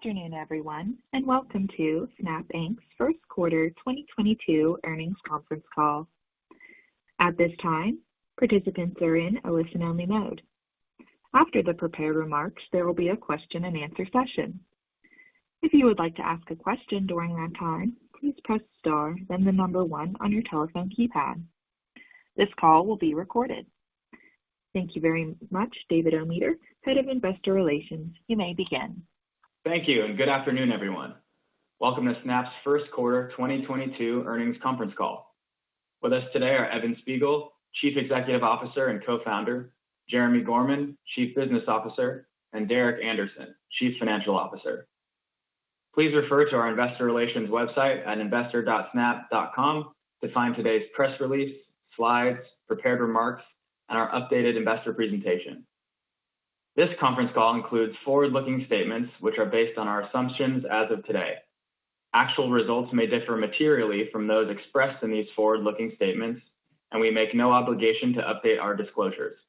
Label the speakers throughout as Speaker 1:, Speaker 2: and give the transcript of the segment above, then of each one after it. Speaker 1: Good afternoon, everyone, and welcome to Snap Inc's first quarter 2022 earnings conference call. At this time, participants are in a listen only mode. After the prepared remarks, there will be a question-and-answer session. If you would like to ask a question during that time, please press Star, then the number one on your telephone keypad. This call will be recorded. Thank you very much. David Ometer, Head of Investor Relations, you may begin.
Speaker 2: Thank you, and good afternoon, everyone. Welcome to Snap's first quarter 2022 earnings conference call. With us today are Evan Spiegel, Chief Executive Officer and Co-founder, Jeremi Gorman, Chief Business Officer, and Derek Andersen, Chief Financial Officer. Please refer to our investor relations website at investor.snap.com to find today's press release, slides, prepared remarks, and our updated investor presentation. This conference call includes forward-looking statements which are based on our assumptions as of today. Actual results may differ materially from those expressed in these forward-looking statements, and we make no obligation to update our disclosures.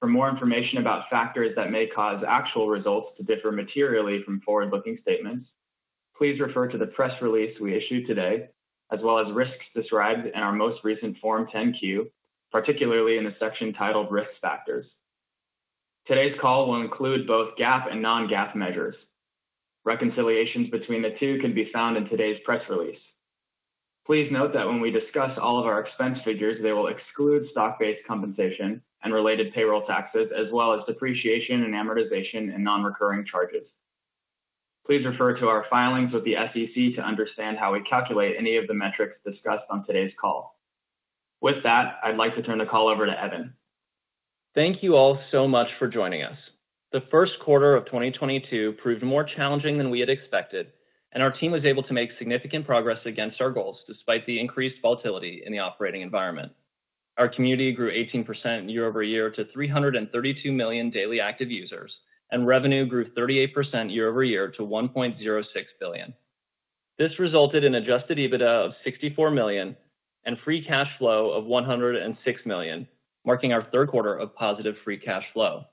Speaker 2: For more information about factors that may cause actual results to differ materially from forward-looking statements, please refer to the press release we issued today, as well as risks described in our most recent Form 10-Q, particularly in the section titled Risk Factors. Today's call will include both GAAP and non-GAAP measures. Reconciliations between the two can be found in today's press release. Please note that when we discuss all of our expense figures, they will exclude stock-based compensation and related payroll taxes as well as depreciation and amortization and non-recurring charges. Please refer to our filings with the SEC to understand how we calculate any of the metrics discussed on today's call. With that, I'd like to turn the call over to Evan.
Speaker 3: Thank you all so much for joining us. The first quarter of 2022 proved more challenging than we had expected, and our team was able to make significant progress against our goals despite the increased volatility in the operating environment. Our community grew 18% year-over-year to 332 million daily active users, and revenue grew 38% year-over-year to $1.06 billion. This resulted in Adjusted EBITDA of $64 million and free cash flow of $106 million, marking our third quarter of positive free cash flow.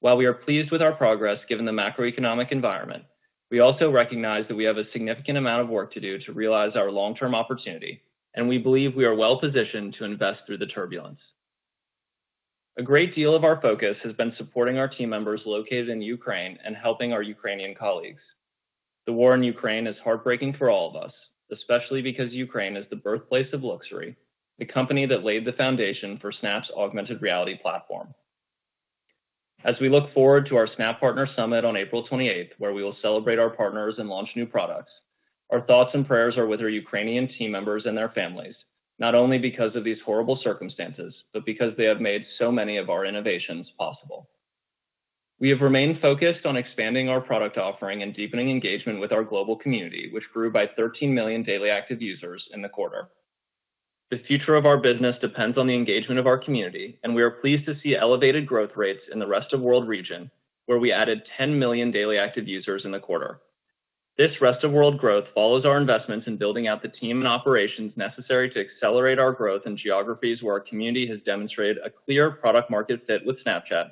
Speaker 3: While we are pleased with our progress given the macroeconomic environment, we also recognize that we have a significant amount of work to do to realize our long-term opportunity, and we believe we are well-positioned to invest through the turbulence. A great deal of our focus has been supporting our team members located in Ukraine and helping our Ukrainian colleagues. The war in Ukraine is heartbreaking for all of us, especially because Ukraine is the birthplace of Looksery, the company that laid the foundation for Snap's augmented reality platform. As we look forward to our Snap Partner Summit on April 28th, where we will celebrate our partners and launch new products, our thoughts and prayers are with our Ukrainian team members and their families, not only because of these horrible circumstances, but because they have made so many of our innovations possible. We have remained focused on expanding our product offering and deepening engagement with our global community, which grew by 13 million daily active users in the quarter. The future of our business depends on the engagement of our community, and we are pleased to see elevated growth rates in the Rest of World region, where we added 10 million daily active users in the quarter. This Rest of World growth follows our investments in building out the team and operations necessary to accelerate our growth in geographies where our community has demonstrated a clear product market fit with Snapchat,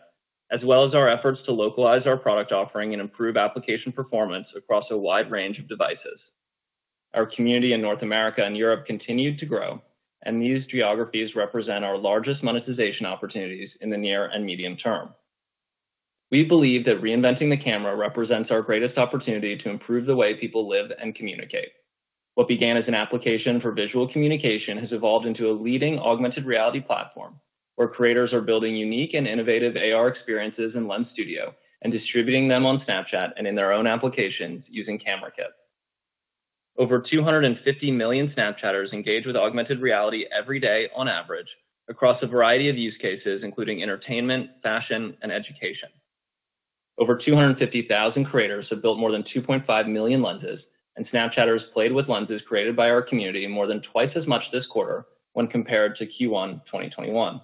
Speaker 3: as well as our efforts to localize our product offering and improve application performance across a wide range of devices. Our community in North America and Europe continued to grow, and these geographies represent our largest monetization opportunities in the near and medium term. We believe that reinventing the camera represents our greatest opportunity to improve the way people live and communicate. What began as an application for visual communication has evolved into a leading augmented reality platform where creators are building unique and innovative AR experiences in Lens Studio and distributing them on Snapchat and in their own applications using Camera Kit. Over 250 million Snapchatters engage with augmented reality every day on average across a variety of use cases, including entertainment, fashion, and education. Over 250,000 creators have built more than 2.5 million lenses, and Snapchatters played with lenses created by our community more than twice as much this quarter when compared to Q1 2021.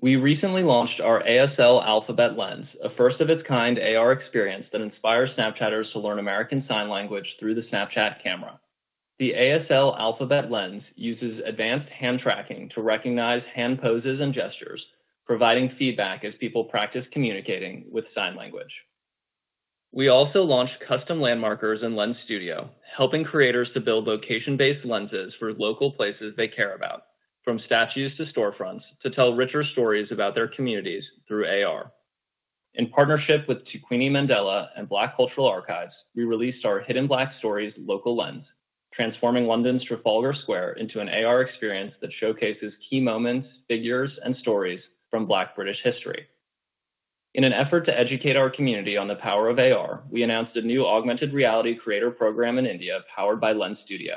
Speaker 3: We recently launched our ASL Alphabet lens, a first of its kind AR experience that inspires Snapchatters to learn American Sign Language through the Snapchat camera. The ASL Alphabet lens uses advanced hand tracking to recognize hand poses and gestures, providing feedback as people practice communicating with sign language. We also launched custom landmarkers in Lens Studio, helping creators to build location-based lenses for local places they care about, from statues to storefronts, to tell richer stories about their communities through AR. In partnership with Tukwini Mandela and Black Cultural Archives, we released our Hidden Black Stories local lens, transforming London's Trafalgar Square into an AR experience that showcases key moments, figures, and stories from Black British history. In an effort to educate our community on the power of AR, we announced a new augmented reality creator program in India powered by Lens Studio.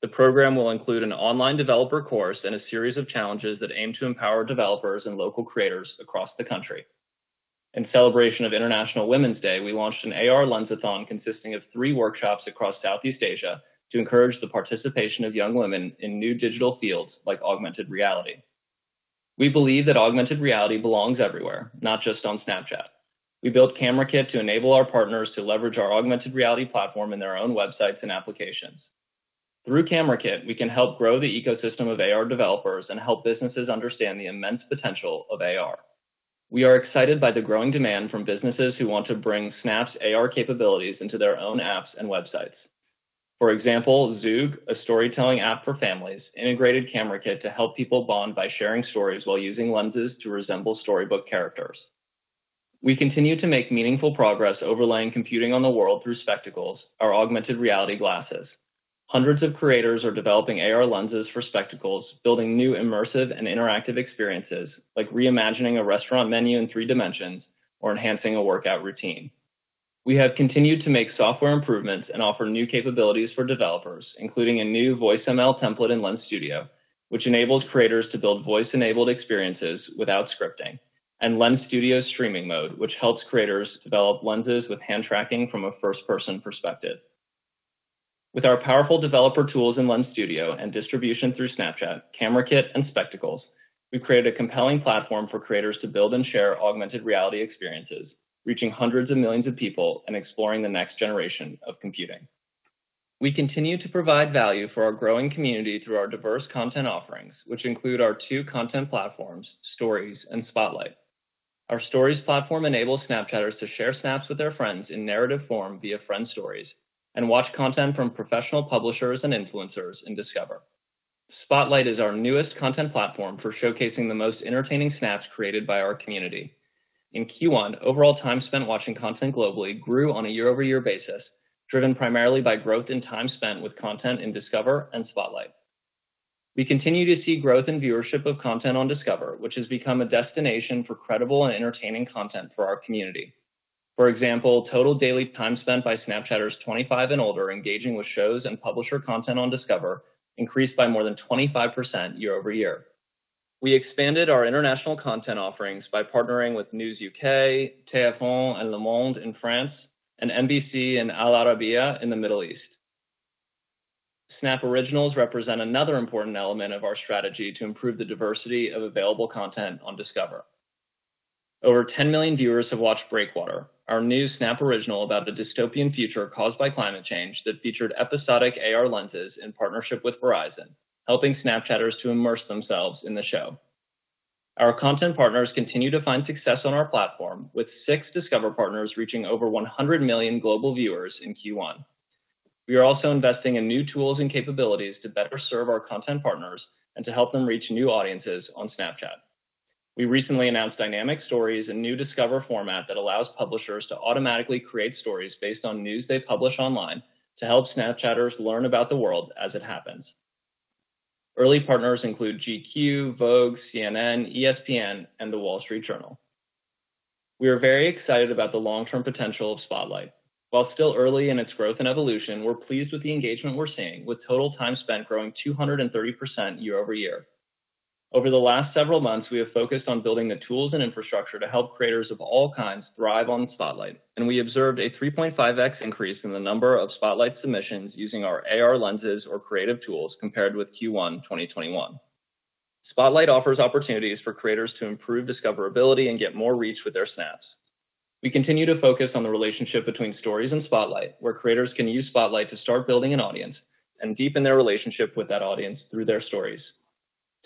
Speaker 3: The program will include an online developer course and a series of challenges that aim to empower developers and local creators across the country. In celebration of International Women's Day, we launched an AR Lensathon consisting of three workshops across Southeast Asia to encourage the participation of young women in new digital fields like augmented reality. We believe that augmented reality belongs everywhere, not just on Snapchat. We built Camera Kit to enable our partners to leverage our augmented reality platform in their own websites and applications. Through Camera Kit, we can help grow the ecosystem of AR developers and help businesses understand the immense potential of AR. We are excited by the growing demand from businesses who want to bring Snap's AR capabilities into their own apps and websites. For example, Zoog, a storytelling app for families, integrated Camera Kit to help people bond by sharing stories while using lenses to resemble storybook characters. We continue to make meaningful progress overlaying computing on the world through Spectacles, our augmented reality glasses. Hundreds of creators are developing AR lenses for Spectacles, building new immersive and interactive experiences, like reimagining a restaurant menu in three dimensions or enhancing a workout routine. We have continued to make software improvements and offer new capabilities for developers, including a new VoiceML template in Lens Studio, which enables creators to build voice-enabled experiences without scripting, and Lens Studio streaming mode, which helps creators develop lenses with hand tracking from a first-person perspective. With our powerful developer tools in Lens Studio and distribution through Snapchat, Camera Kit, and Spectacles, we've created a compelling platform for creators to build and share augmented reality experiences, reaching hundreds of millions of people and exploring the next generation of computing. We continue to provide value for our growing community through our diverse content offerings, which include our two content platforms, Stories and Spotlight. Our Stories platform enables Snapchatters to share Snaps with their friends in narrative form via Friend Stories, and watch content from professional publishers and influencers in Discover. Spotlight is our newest content platform for showcasing the most entertaining Snaps created by our community. In Q1, overall time spent watching content globally grew on a year-over-year basis, driven primarily by growth in time spent with content in Discover and Spotlight. We continue to see growth in viewership of content on Discover, which has become a destination for credible and entertaining content for our community. For example, total daily time spent by Snapchatters 25 and older engaging with shows and publisher content on Discover increased by more than 25% year-over-year. We expanded our international content offerings by partnering with News UK, TF1, and Le Monde in France, and NBC and Al Arabiya in the Middle East. Snap Originals represent another important element of our strategy to improve the diversity of available content on Discover. Over 10 million viewers have watched Breakwater, our new Snap Original about the dystopian future caused by climate change that featured episodic AR lenses in partnership with Verizon, helping Snapchatters to immerse themselves in the show. Our content partners continue to find success on our platform, with six Discover partners reaching over 100 million global viewers in Q1. We are also investing in new tools and capabilities to better serve our content partners and to help them reach new audiences on Snapchat. We recently announced Dynamic Stories, a new Discover format that allows publishers to automatically create stories based on news they publish online to help Snapchatters learn about the world as it happens. Early partners include GQ, Vogue, CNN, ESPN, and The Wall Street Journal. We are very excited about the long-term potential of Spotlight. While it's still early in its growth and evolution, we're pleased with the engagement we're seeing with total time spent growing 230% year-over-year. Over the last several months, we have focused on building the tools and infrastructure to help creators of all kinds thrive on Spotlight, and we observed a 3.5x increase in the number of Spotlight submissions using our AR lenses or creative tools compared with Q1 2021. Spotlight offers opportunities for creators to improve discoverability and get more reach with their Snaps. We continue to focus on the relationship between Stories and Spotlight, where creators can use Spotlight to start building an audience and deepen their relationship with that audience through their Stories.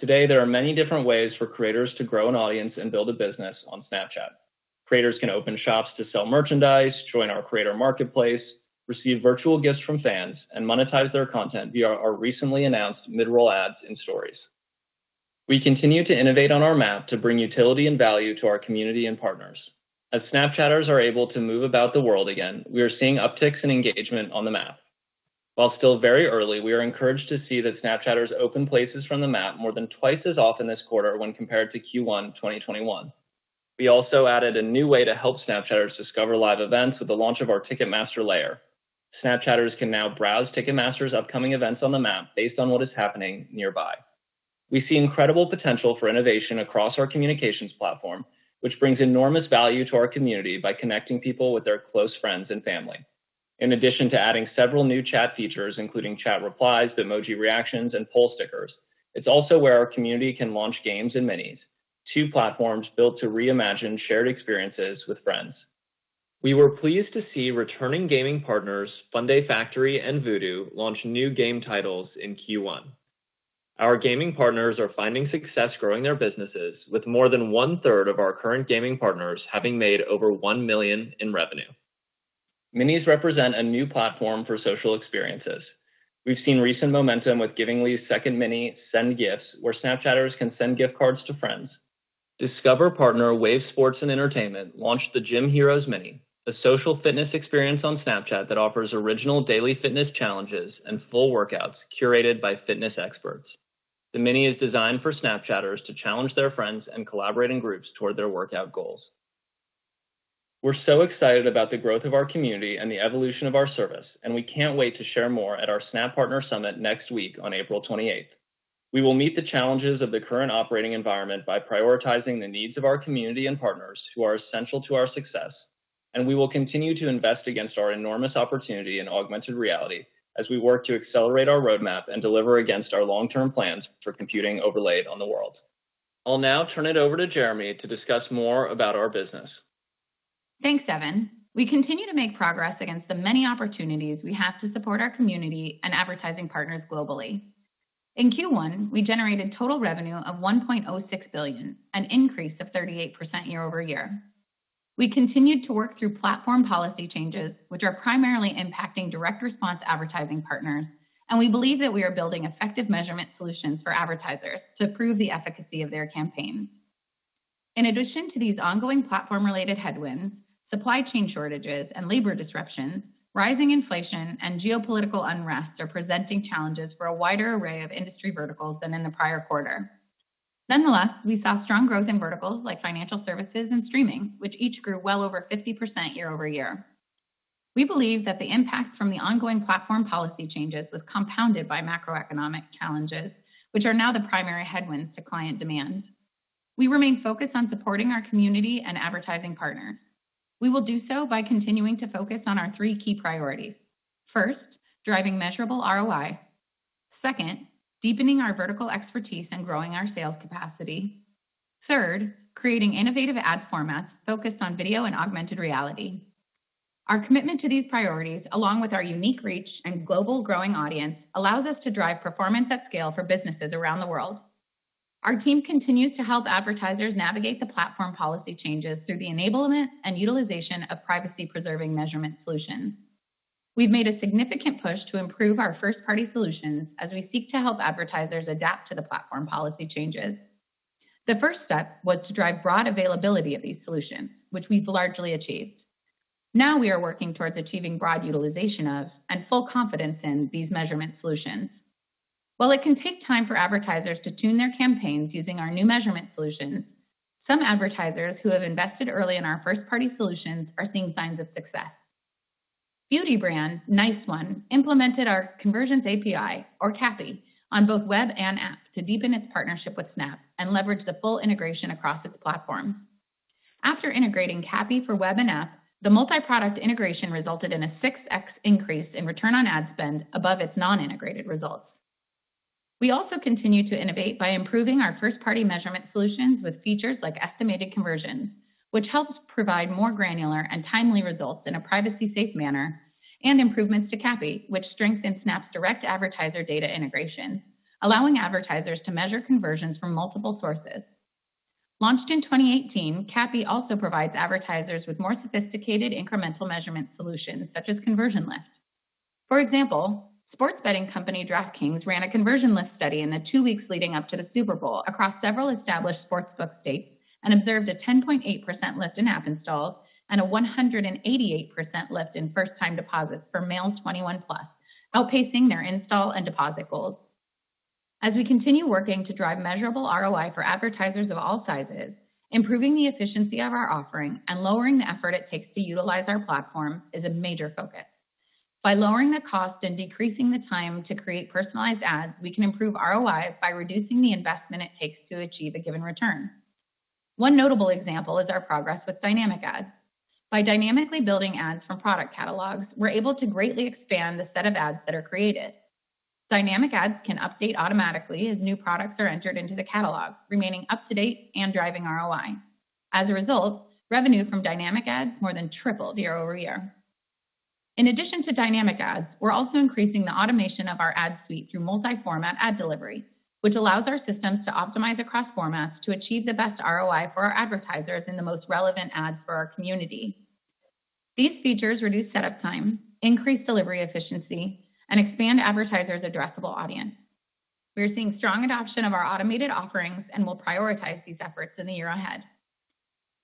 Speaker 3: Today, there are many different ways for creators to grow an audience and build a business on Snapchat. Creators can open shops to sell merchandise, join our creator marketplace, receive virtual gifts from fans, and monetize their content via our recently announced mid-roll ads in Stories. We continue to innovate on our Map to bring utility and value to our community and partners. As Snapchatters are able to move about the world again, we are seeing upticks in engagement on the Map. While still very early, we are encouraged to see that Snapchatters open places from the Map more than twice as often this quarter when compared to Q1 2021. We also added a new way to help Snapchatters discover live events with the launch of our Ticketmaster layer. Snapchatters can now browse Ticketmaster's upcoming events on the Map based on what is happening nearby. We see incredible potential for innovation across our communications platform, which brings enormous value to our community by connecting people with their close friends and family. In addition to adding several new chat features, including chat replies, emoji reactions, and poll stickers, it's also where our community can launch games and Minis, two platforms built to reimagine shared experiences with friends. We were pleased to see returning gaming partners Funday Factory and Voodoo launch new game titles in Q1. Our gaming partners are finding success growing their businesses with more than 1/3 of our current gaming partners having made over $1 million in revenue. Minis represent a new platform for social experiences. We've seen recent momentum with Givingli's second Mini, Send Gifts, where Snapchatters can send gift cards to friends. Discover partner Wave Sports + Entertainment launched the Gym Heroes Mini, the social fitness experience on Snapchat that offers original daily fitness challenges and full workouts curated by fitness experts. The Mini is designed for Snapchatters to challenge their friends and collaborate in groups toward their workout goals. We're so excited about the growth of our community and the evolution of our service, and we can't wait to share more at our Snap Partner Summit next week on April 28. We will meet the challenges of the current operating environment by prioritizing the needs of our community and partners who are essential to our success, and we will continue to invest against our enormous opportunity in augmented reality as we work to accelerate our roadmap and deliver against our long-term plans for computing overlaid on the world. I'll now turn it over to Jeremi to discuss more about our business.
Speaker 4: Thanks, Evan. We continue to make progress against the many opportunities we have to support our community and advertising partners globally. In Q1, we generated total revenue of $1.06 billion, an increase of 38% year-over-year. We continued to work through platform policy changes, which are primarily impacting direct response advertising partners, and we believe that we are building effective measurement solutions for advertisers to prove the efficacy of their campaigns. In addition to these ongoing platform-related headwinds, supply chain shortages and labor disruptions, rising inflation and geopolitical unrest are presenting challenges for a wider array of industry verticals than in the prior quarter. Nonetheless, we saw strong growth in verticals like financial services and streaming, which each grew well over 50% year-over-year. We believe that the impact from the ongoing platform policy changes was compounded by macroeconomic challenges, which are now the primary headwinds to client demand. We remain focused on supporting our community and advertising partners. We will do so by continuing to focus on our three key priorities. First, driving measurable ROI. Second, deepening our vertical expertise and growing our sales capacity. Third, creating innovative ad formats focused on video and augmented reality. Our commitment to these priorities, along with our unique reach and global growing audience, allows us to drive performance at scale for businesses around the world. Our team continues to help advertisers navigate the platform policy changes through the enablement and utilization of privacy-preserving measurement solutions. We've made a significant push to improve our first-party solutions as we seek to help advertisers adapt to the platform policy changes. The first step was to drive broad availability of these solutions, which we've largely achieved. Now we are working towards achieving broad utilization of and full confidence in these measurement solutions. While it can take time for advertisers to tune their campaigns using our new measurement solutions, some advertisers who have invested early in our first-party solutions are seeing signs of success. Beauty brand, Nice One, implemented our Conversions API, or CAPI, on both web and app to deepen its partnership with Snap and leverage the full integration across its platform. After integrating CAPI for web and app, the multi-product integration resulted in a 6x increase in return on ad spend above its non-integrated results. We also continue to innovate by improving our first-party measurement solutions with features like Estimated Conversions, which helps provide more granular and timely results in a privacy-safe manner, and improvements to CAPI, which strengthen Snap's direct advertiser data integration, allowing advertisers to measure conversions from multiple sources. Launched in 2018, CAPI also provides advertisers with more sophisticated incremental measurement solutions such as Conversion Lift. For example, sports betting company DraftKings ran a Conversion Lift study in the two weeks leading up to the Super Bowl across several established sports book states and observed a 10.8% lift in app installs and a 188% lift in first-time deposits for male 21+, outpacing their install and deposit goals. As we continue working to drive measurable ROI for advertisers of all sizes, improving the efficiency of our offering and lowering the effort it takes to utilize our platform is a major focus. By lowering the cost and decreasing the time to create personalized ads, we can improve ROIs by reducing the investment it takes to achieve a given return. One notable example is our progress with Dynamic Ads. By dynamically building ads from product catalogs, we're able to greatly expand the set of ads that are created. Dynamic Ads can update automatically as new products are entered into the catalog, remaining up to date and driving ROI. As a result, revenue from Dynamic Ads more than tripled year-over-year. In addition to Dynamic Ads, we're also increasing the automation of our ad suite through multi-format ad delivery, which allows our systems to optimize across formats to achieve the best ROI for our advertisers in the most relevant ads for our community. These features reduce setup time, increase delivery efficiency, and expand advertisers' addressable audience. We are seeing strong adoption of our automated offerings and will prioritize these efforts in the year ahead.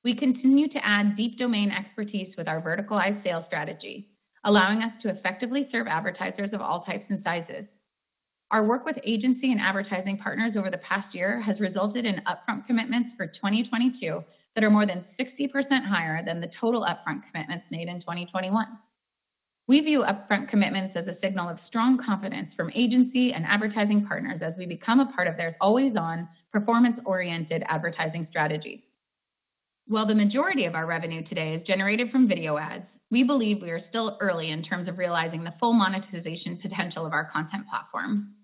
Speaker 4: We continue to add deep domain expertise with our verticalized sales strategy, allowing us to effectively serve advertisers of all types and sizes. Our work with agency and advertising partners over the past year has resulted in upfront commitments for 2022 that are more than 60% higher than the total upfront commitments made in 2021. We view upfront commitments as a signal of strong confidence from agency and advertising partners as we become a part of their always-on, performance-oriented advertising strategy. While the majority of our revenue today is generated from video ads, we believe we are still early in terms of realizing the full monetization potential of our content platform.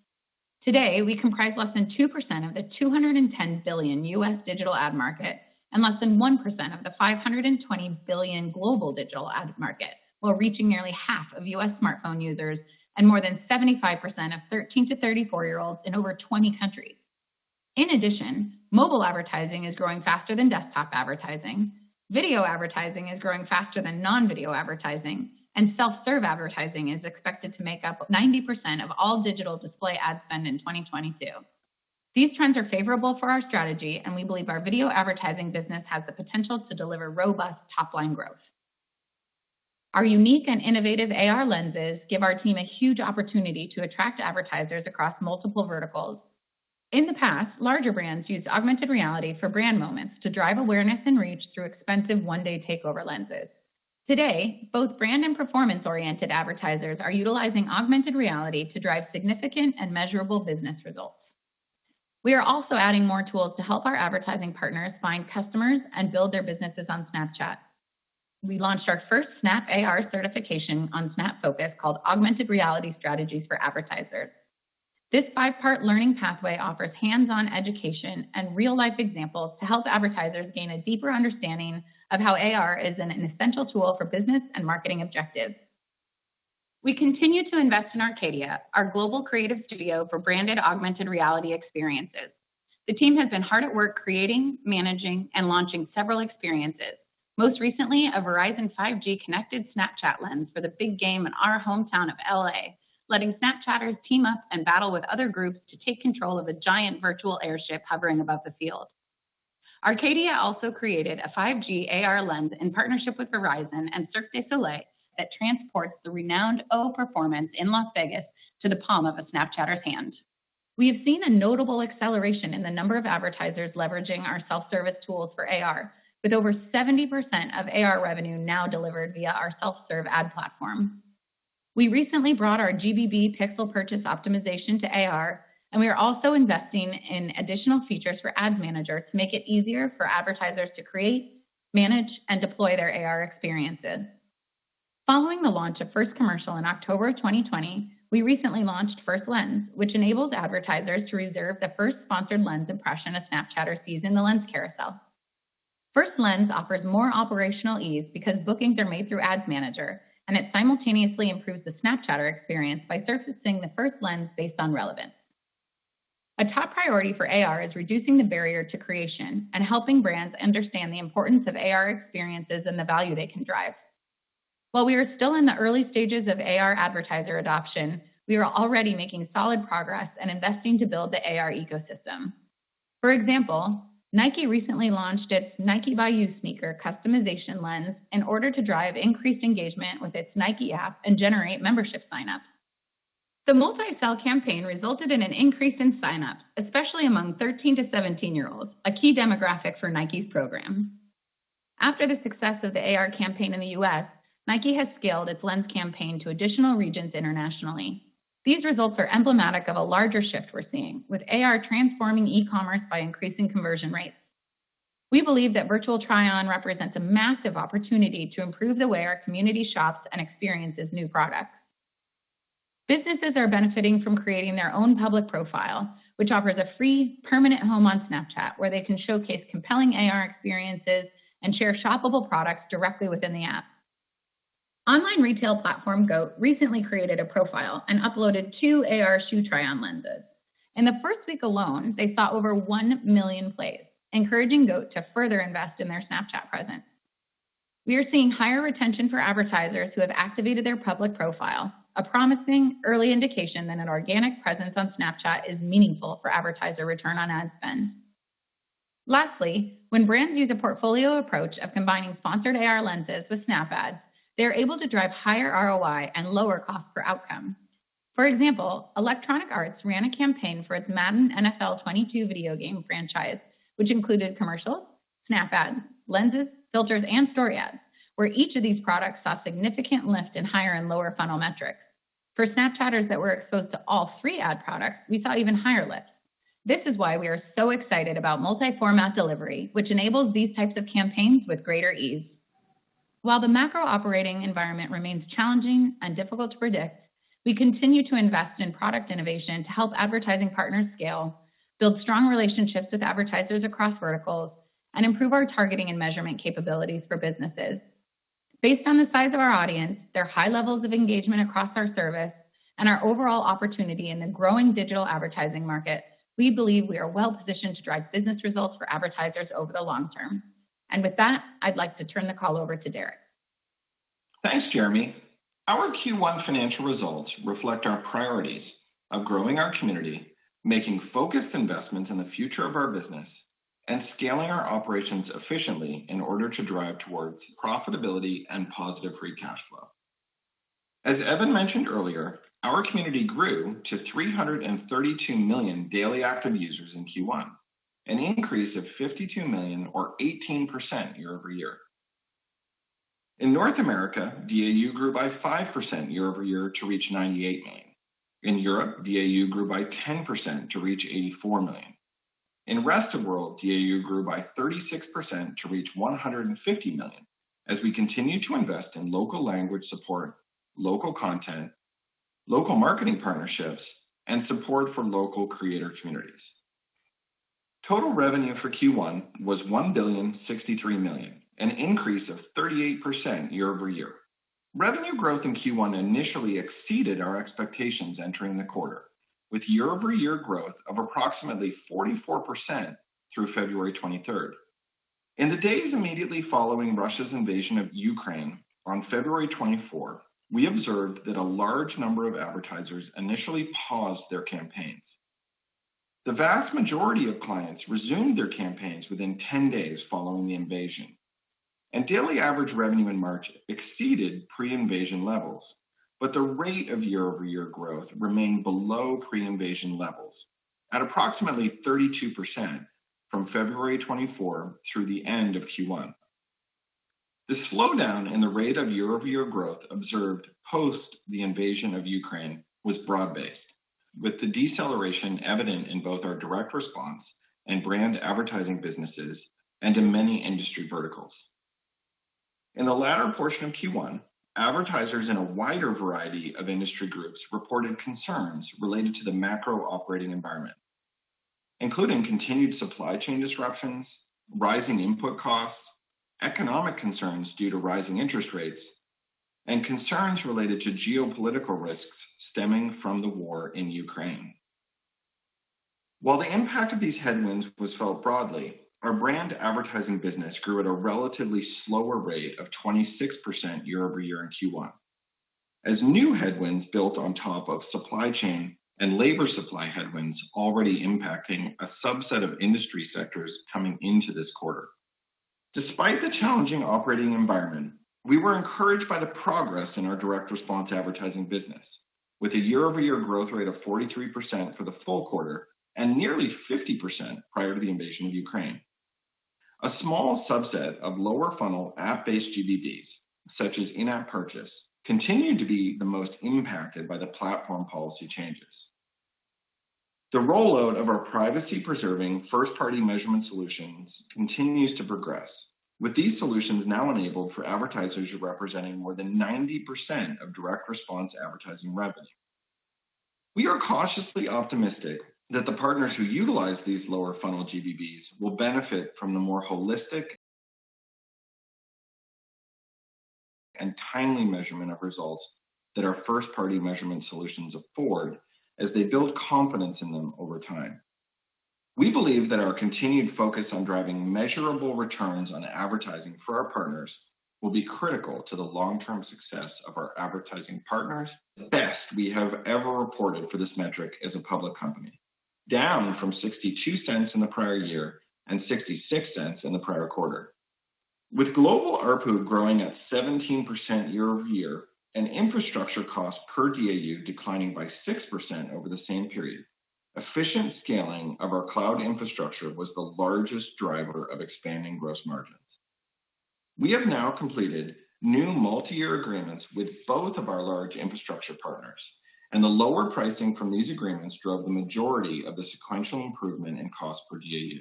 Speaker 4: Today, we comprise less than 2% of the $210 billion U.S. digital ad market and less than 1% of the $520 billion global digital ad market, while reaching nearly half of U.S. smartphone users and more than 75% of 13- to 34-year-olds in over 20 countries. In addition, mobile advertising is growing faster than desktop advertising. Video advertising is growing faster than non-video advertising, and self-serve advertising is expected to make up 90% of all digital display ad spend in 2022. These trends are favorable for our strategy, and we believe our video advertising business has the potential to deliver robust top-line growth. Our unique and innovative AR lenses give our team a huge opportunity to attract advertisers across multiple verticals. In the past, larger brands used augmented reality for brand moments to drive awareness and reach through expensive one-day takeover lenses. Today, both brand and performance-oriented advertisers are utilizing augmented reality to drive significant and measurable business results. We are also adding more tools to help our advertising partners find customers and build their businesses on Snapchat. We launched our first Snap AR certification on Snap Focus called Augmented Reality Strategies for Advertisers. This five-part learning pathway offers hands-on education and real-life examples to help advertisers gain a deeper understanding of how AR is an essential tool for business and marketing objectives. We continue to invest in Arcadia, our global creative studio for branded augmented reality experiences. The team has been hard at work creating, managing, and launching several experiences, most recently a Verizon 5G-connected Snapchat Lens for the big game in our hometown of L.A., letting Snapchatters team up and battle with other groups to take control of a giant virtual airship hovering above the field. Arcadia also created a 5G AR Lens in partnership with Verizon and Cirque du Soleil that transports the renowned "O" performance in Las Vegas to the palm of a Snapchatter's hand. We have seen a notable acceleration in the number of advertisers leveraging our self-service tools for AR, with over 70% of AR revenue now delivered via our self-serve ad platform. We recently brought our GBB Pixel purchase optimization to AR, and we are also investing in additional features for Ads Manager to make it easier for advertisers to create, manage, and deploy their AR experiences. Following the launch of First Commercial in October 2020, we recently launched First Lens, which enables advertisers to reserve the first sponsored lens impression a Snapchatter sees in the lens carousel. First Lens offers more operational ease because bookings are made through Ads Manager, and it simultaneously improves the Snapchatter experience by surfacing the first lens based on relevance. A top priority for AR is reducing the barrier to creation and helping brands understand the importance of AR experiences and the value they can drive. While we are still in the early stages of AR advertiser adoption, we are already making solid progress and investing to build the AR ecosystem. For example, Nike recently launched its Nike By You sneaker customization lens in order to drive increased engagement with its Nike app and generate membership sign-ups. The multi-sell campaign resulted in an increase in sign-ups, especially among 13- to 17-year-olds, a key demographic for Nike's program. After the success of the AR campaign in the U.S., Nike has scaled its lens campaign to additional regions internationally. These results are emblematic of a larger shift we're seeing, with AR transforming e-commerce by increasing conversion rates. We believe that virtual try-on represents a massive opportunity to improve the way our community shops and experiences new products. Businesses are benefiting from creating their own public profile, which offers a free permanent home on Snapchat where they can showcase compelling AR experiences and share shoppable products directly within the app. Online retail platform GOAT recently created a profile and uploaded two AR shoe try-on lenses. In the first week alone, they saw over one million plays, encouraging GOAT to further invest in their Snapchat presence. We are seeing higher retention for advertisers who have activated their public profile, a promising early indication that an organic presence on Snapchat is meaningful for advertiser return on ad spend. Lastly, when brands use a portfolio approach of combining sponsored AR lenses with Snap Ads, they are able to drive higher ROI and lower cost per outcome. For example, Electronic Arts ran a campaign for its Madden NFL 22 video game franchise, which included commercials, Snap Ads, lenses, filters, and Story Ads, where each of these products saw significant lift in higher and lower funnel metrics. For Snapchatters that were exposed to all three ad products, we saw even higher lifts. This is why we are so excited about multi-format delivery, which enables these types of campaigns with greater ease. While the macro operating environment remains challenging and difficult to predict, we continue to invest in product innovation to help advertising partners scale, build strong relationships with advertisers across verticals, and improve our targeting and measurement capabilities for businesses. Based on the size of our audience, their high levels of engagement across our service, and our overall opportunity in the growing digital advertising market, we believe we are well-positioned to drive business results for advertisers over the long term. With that, I'd like to turn the call over to Derek.
Speaker 5: Thanks, Jeremi. Our Q1 financial results reflect our priorities of growing our community, making focused investments in the future of our business, and scaling our operations efficiently in order to drive towards profitability and positive free cash flow. As Evan mentioned earlier, our community grew to 332 million daily active users in Q1, an increase of 52 million or 18% year-over-year. In North America, DAU grew by 5% year-over-year to reach 98 million. In Europe, DAU grew by 10% to reach 84 million. In rest of world, DAU grew by 36% to reach 150 million as we continue to invest in local language support, local content, local marketing partnerships, and support from local creator communities. Total revenue for Q1 was $1,063 million, an increase of 38% year-over-year. Revenue growth in Q1 initially exceeded our expectations entering the quarter, with year-over-year growth of approximately 44% through February 23. In the days immediately following Russia's invasion of Ukraine on February 24, we observed that a large number of advertisers initially paused their campaigns. The vast majority of clients resumed their campaigns within 10 days following the invasion, and daily average revenue in March exceeded pre-invasion levels. The rate of year-over-year growth remained below pre-invasion levels at approximately 32% from February 24 through the end of Q1. The slowdown in the rate of year-over-year growth observed post the invasion of Ukraine was broad-based, with the deceleration evident in both our direct response and brand advertising businesses and in many industry verticals. In the latter portion of Q1, advertisers in a wider variety of industry groups reported concerns related to the macro operating environment, including continued supply chain disruptions, rising input costs, economic concerns due to rising interest rates, and concerns related to geopolitical risks stemming from the war in Ukraine. While the impact of these headwinds was felt broadly, our brand advertising business grew at a relatively slower rate of 26% year-over-year in Q1. As new headwinds built on top of supply chain and labor supply headwinds already impacting a subset of industry sectors coming into this quarter. Despite the challenging operating environment, we were encouraged by the progress in our Direct Response advertising business with a year-over-year growth rate of 43% for the full quarter and nearly 50% prior to the invasion of Ukraine. A small subset of lower funnel app-based GBBs, such as in-app purchase, continued to be the most impacted by the platform policy changes. The rollout of our privacy-preserving first-party measurement solutions continues to progress with these solutions now enabled for advertisers representing more than 90% of Direct Response advertising revenue. We are cautiously optimistic that the partners who utilize these lower funnel GBBs will benefit from the more holistic and timely measurement of results that our first-party measurement solutions afford as they build confidence in them over time. We believe that our continued focus on driving measurable returns on advertising for our partners will be critical to the long-term success of our advertising partners. Best we have ever reported for this metric as a public company, down from $0.62 in the prior year and $0.66 in the prior quarter. With global ARPU growing at 17% year over year and infrastructure costs per DAU declining by 6% over the same period, efficient scaling of our cloud infrastructure was the largest driver of expanding gross margins. We have now completed new multi-year agreements with both of our large infrastructure partners, and the lower pricing from these agreements drove the majority of the sequential improvement in cost per DAU.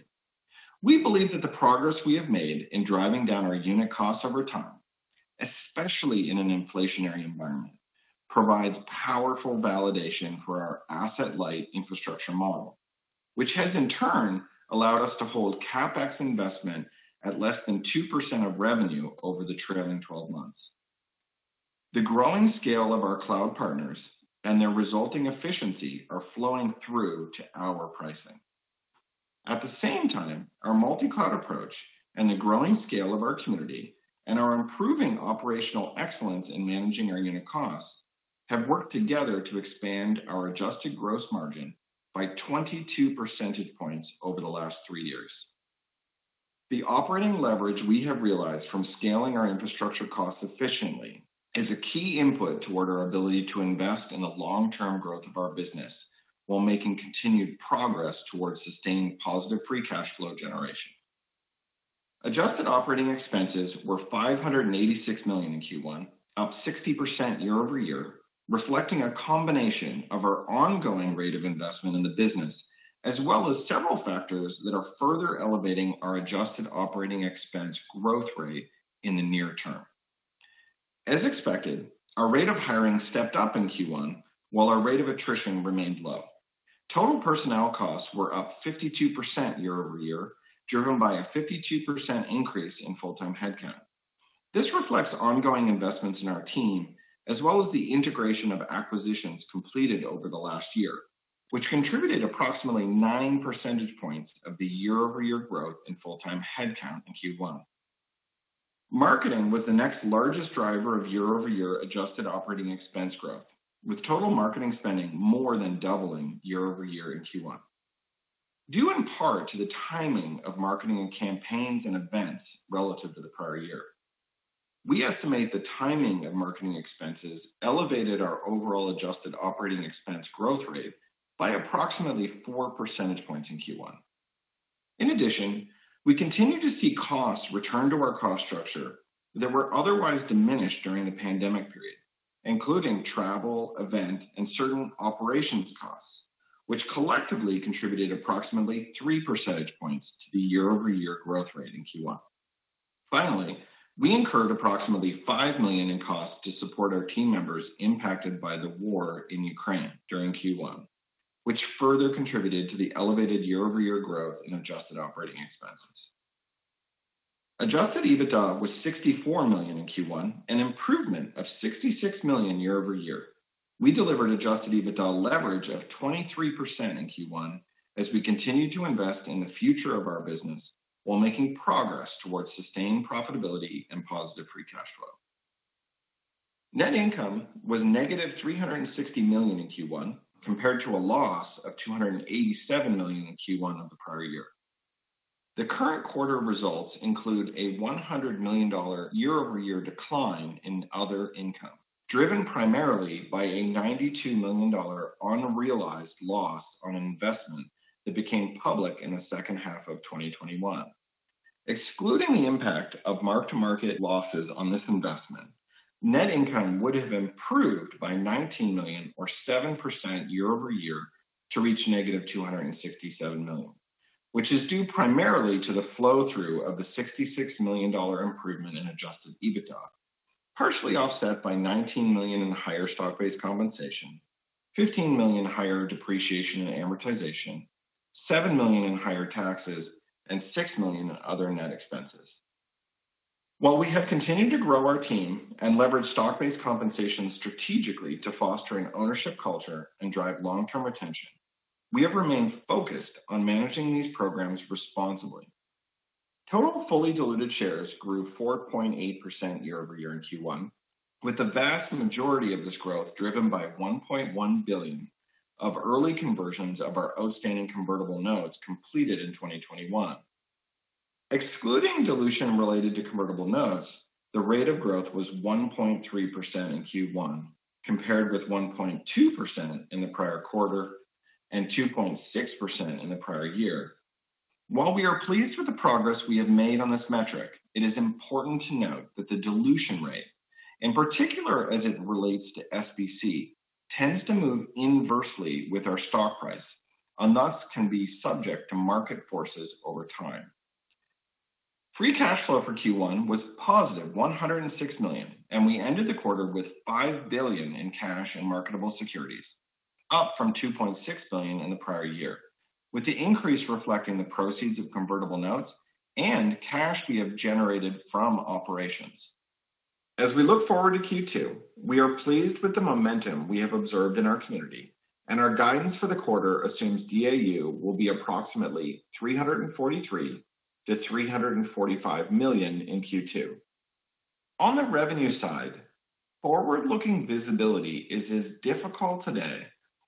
Speaker 5: We believe that the progress we have made in driving down our unit costs over time, especially in an inflationary environment, provides powerful validation for our asset light infrastructure model, which has in turn allowed us to hold CapEx investment at less than 2% of revenue over the trailing twelve months. The growing scale of our cloud partners and their resulting efficiency are flowing through to our pricing. At the same time, our multi-cloud approach and the growing scale of our community and our improving operational excellence in managing our unit costs have worked together to expand our adjusted gross margin by 22 percentage points over the last three years. The operating leverage we have realized from scaling our infrastructure costs efficiently is a key input toward our ability to invest in the long-term growth of our business while making continued progress towards sustaining positive free cash flow generation. Adjusted operating expenses were $586 million in Q1, up 60% year-over-year, reflecting a combination of our ongoing rate of investment in the business, as well as several factors that are further elevating our adjusted operating expense growth rate in the near term. As expected, our rate of hiring stepped up in Q1 while our rate of attrition remained low. Total personnel costs were up 52% year-over-year, driven by a 52% increase in full-time headcount. This reflects ongoing investments in our team as well as the integration of acquisitions completed over the last year, which contributed approximately nine percentage points of the year-over-year growth in full-time headcount in Q1. Marketing was the next largest driver of year-over-year adjusted operating expense growth, with total marketing spending more than doubling year-over-year in Q1. Due in part to the timing of marketing campaigns and events relative to the prior year, we estimate the timing of marketing expenses elevated our overall adjusted operating expense growth rate by approximately four percentage points in Q1. In addition, we continue to see costs return to our cost structure that were otherwise diminished during the pandemic period, including travel, events, and certain operations costs, which collectively contributed approximately three percentage points to the year-over-year growth rate in Q1. Finally, we incurred approximately $5 million in costs to support our team members impacted by the war in Ukraine during Q1, which further contributed to the elevated year-over-year growth in adjusted operating expenses. Adjusted EBITDA was $64 million in Q1, an improvement of $66 million year-over-year. We delivered Adjusted EBITDA leverage of 23% in Q1 as we continue to invest in the future of our business while making progress towards sustained profitability and positive free cash flow. Net income was -$360 million in Q1, compared to a loss of $287 million in Q1 of the prior year. The current quarter results include a $100 million year-over-year decline in other income, driven primarily by a $92 million unrealized loss on an investment that became public in the second half of 2021. Excluding the impact of mark-to-market losses on this investment. Net income would have improved by $19 million or 7% year-over-year to reach -$267 million, which is due primarily to the flow through of the $66 million improvement in Adjusted EBITDA, partially offset by $19 million in higher stock-based compensation, $15 million higher depreciation and amortization, $7 million in higher taxes, and $6 million in other net expenses. While we have continued to grow our team and leverage stock-based compensation strategically to foster an ownership culture and drive long-term retention, we have remained focused on managing these programs responsibly. Total fully diluted shares grew 4.8% year-over-year in Q1, with the vast majority of this growth driven by 1.1 billion of early conversions of our outstanding convertible notes completed in 2021. Excluding dilution related to convertible notes, the rate of growth was 1.3% in Q1 compared with 1.2% in the prior quarter and 2.6% in the prior year. While we are pleased with the progress we have made on this metric, it is important to note that the dilution rate, in particular as it relates to SBC, tends to move inversely with our stock price and thus can be subject to market forces over time. Free cash flow for Q1 was positive $106 million, and we ended the quarter with $5 billion in cash and marketable securities, up from $2.6 billion in the prior year, with the increase reflecting the proceeds of convertible notes and cash we have generated from operations. As we look forward to Q2, we are pleased with the momentum we have observed in our community and our guidance for the quarter assumes DAU will be approximately 343 million-345 million in Q2. On the revenue side, forward-looking visibility is as difficult today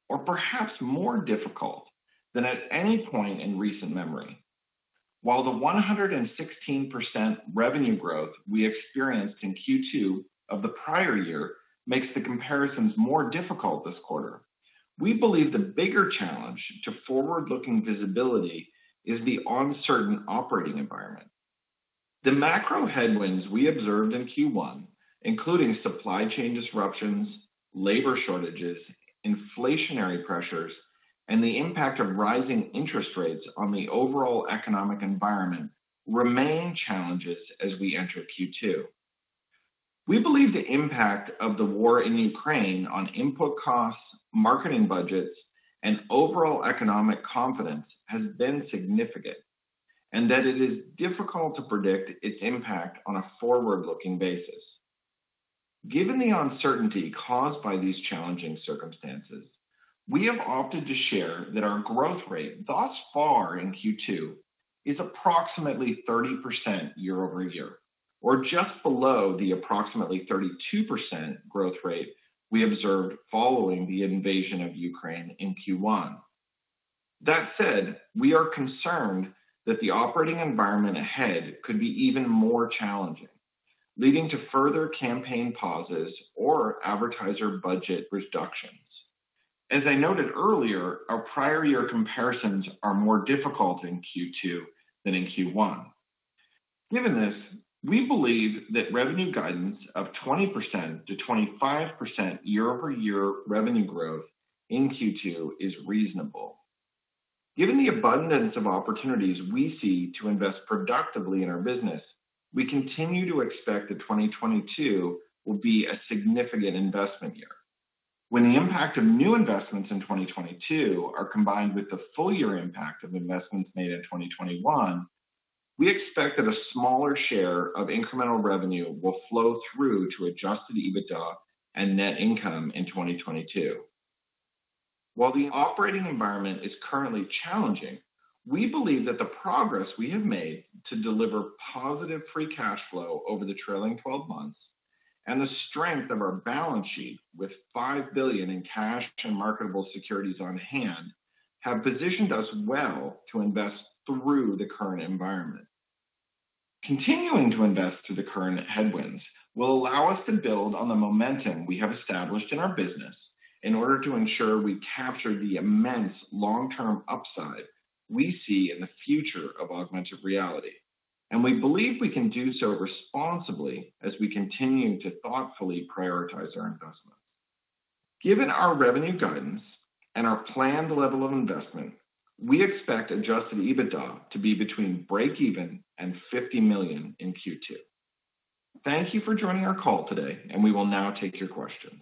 Speaker 5: or perhaps more difficult than at any point in recent memory. While the 116% revenue growth we experienced in Q2 of the prior year makes the comparisons more difficult this quarter, we believe the bigger challenge to forward-looking visibility is the uncertain operating environment. The macro headwinds we observed in Q1, including supply chain disruptions, labor shortages, inflationary pressures, and the impact of rising interest rates on the overall economic environment remain challenges as we enter Q2. We believe the impact of the war in Ukraine on input costs, marketing budgets, and overall economic confidence has been significant and that it is difficult to predict its impact on a forward-looking basis. Given the uncertainty caused by these challenging circumstances, we have opted to share that our growth rate thus far in Q2 is approximately 30% year-over-year or just below the approximately 32% growth rate we observed following the invasion of Ukraine in Q1. That said, we are concerned that the operating environment ahead could be even more challenging, leading to further campaign pauses or advertiser budget reductions. As I noted earlier, our prior year comparisons are more difficult in Q2 than in Q1. Given this, we believe that revenue guidance of 20%-25% year-over-year revenue growth in Q2 is reasonable. Given the abundance of opportunities we see to invest productively in our business, we continue to expect that 2022 will be a significant investment year. When the impact of new investments in 2022 are combined with the full year impact of investments made in 2021, we expect that a smaller share of incremental revenue will flow through to Adjusted EBITDA and net income in 2022. While the operating environment is currently challenging, we believe that the progress we have made to deliver positive free cash flow over the trailing 12 months and the strength of our balance sheet with $5 billion in cash and marketable securities on hand have positioned us well to invest through the current environment. Continuing to invest through the current headwinds will allow us to build on the momentum we have established in our business in order to ensure we capture the immense long-term upside we see in the future of augmented reality, and we believe we can do so responsibly as we continue to thoughtfully prioritize our investments. Given our revenue guidance and our planned level of investment, we expect Adjusted EBITDA to be between breakeven and $50 million in Q2. Thank you for joining our call today, and we will now take your questions.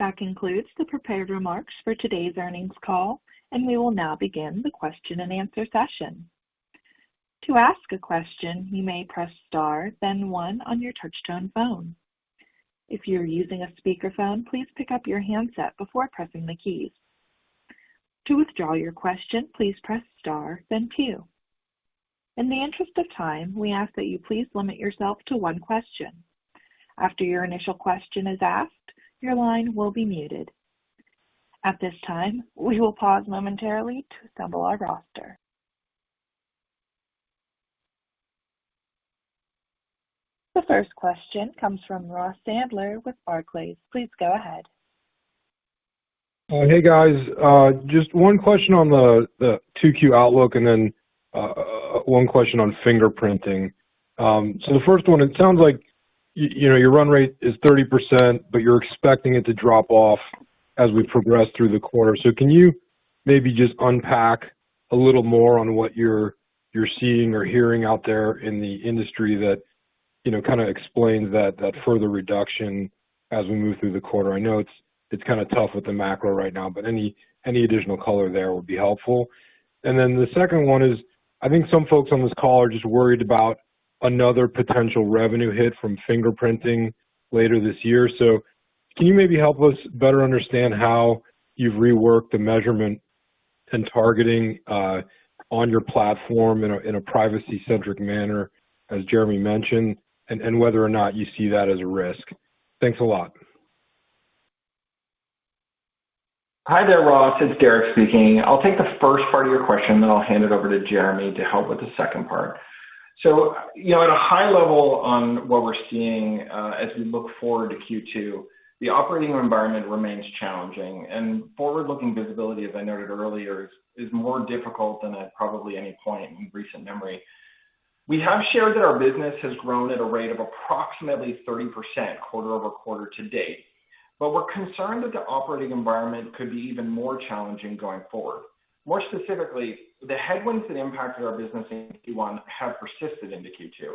Speaker 1: That concludes the prepared remarks for today's earnings call, and we will now begin the question-and-answer session. To ask a question, you may press star then one on your touchtone phone. If you're using a speakerphone, please pick up your handset before pressing the keys. To withdraw your question, please press star then two. In the interest of time, we ask that you please limit yourself to one question. After your initial question is asked, your line will be muted. At this time, we will pause momentarily to assemble our roster. The first question comes from Ross Sandler with Barclays. Please go ahead.
Speaker 6: Hey, guys. Just one question on the 2Q outlook and then one question on fingerprinting. The first one, it sounds like you know, your run rate is 30%, but you're expecting it to drop off as we progress through the quarter. Can you maybe just unpack a little more on what you're seeing or hearing out there in the industry that you know, kind of explains that further reduction as we move through the quarter? I know it's kind of tough with the macro right now, but any additional color there would be helpful. Then the second one is, I think some folks on this call are just worried about another potential revenue hit from fingerprinting later this year. Can you maybe help us better understand how you've reworked the measurement and targeting on your platform in a privacy-centric manner, as Jeremi mentioned, and whether or not you see that as a risk? Thanks a lot.
Speaker 5: Hi there, Ross. It's Derek speaking. I'll take the first part of your question, then I'll hand it over to Jeremi to help with the second part. You know, at a high level on what we're seeing, as we look forward to Q2, the operating environment remains challenging and forward-looking visibility, as I noted earlier, is more difficult than at probably any point in recent memory. We have shared that our business has grown at a rate of approximately 30% quarter-over-quarter to date. We're concerned that the operating environment could be even more challenging going forward. More specifically, the headwinds that impacted our business in Q1 have persisted into Q2,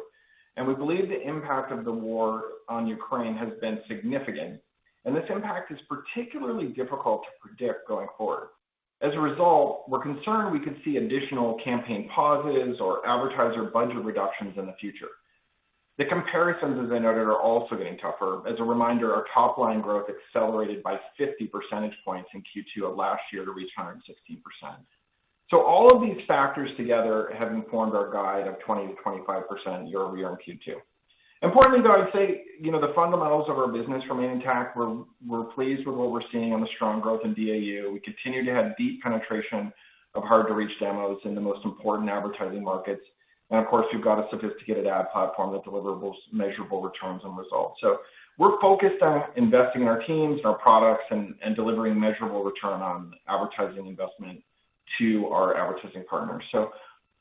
Speaker 5: and we believe the impact of the war on Ukraine has been significant, and this impact is particularly difficult to predict going forward. As a result, we're concerned we could see additional campaign pauses or advertiser budget reductions in the future. The comparisons, as I noted, are also getting tougher. As a reminder, our top line growth accelerated by 50 percentage points in Q2 of last year to return 16%. All of these factors together have informed our guide of 20%-25% year-over-year in Q2. Importantly, though, I'd say, you know, the fundamentals of our business remain intact. We're pleased with what we're seeing on the strong growth in DAU. We continue to have deep penetration of hard-to-reach demos in the most important advertising markets. Of course, we've got a sophisticated ad platform that delivers measurable returns on results. We're focused on investing in our teams and our products and delivering measurable return on advertising investment to our advertising partners.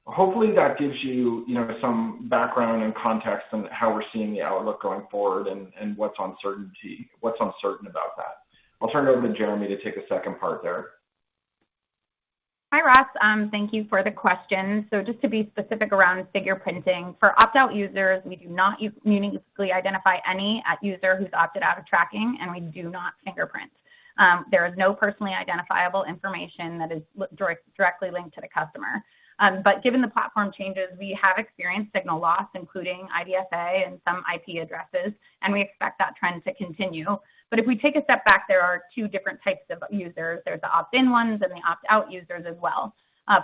Speaker 5: Hopefully that gives you know, some background and context on how we're seeing the outlook going forward and what's uncertain about that. I'll turn it over to Jeremi to take the second part there.
Speaker 4: Hi, Ross. Thank you for the question. Just to be specific around fingerprinting. For opt-out users, we do not uniquely identify any a user who's opted out of tracking, and we do not fingerprint. There is no personally identifiable information that is directly linked to the customer. Given the platform changes, we have experienced signal loss, including IDFA and some IP addresses, and we expect that trend to continue. If we take a step back, there are two different types of users. There's the opt-in ones and the opt-out users as well.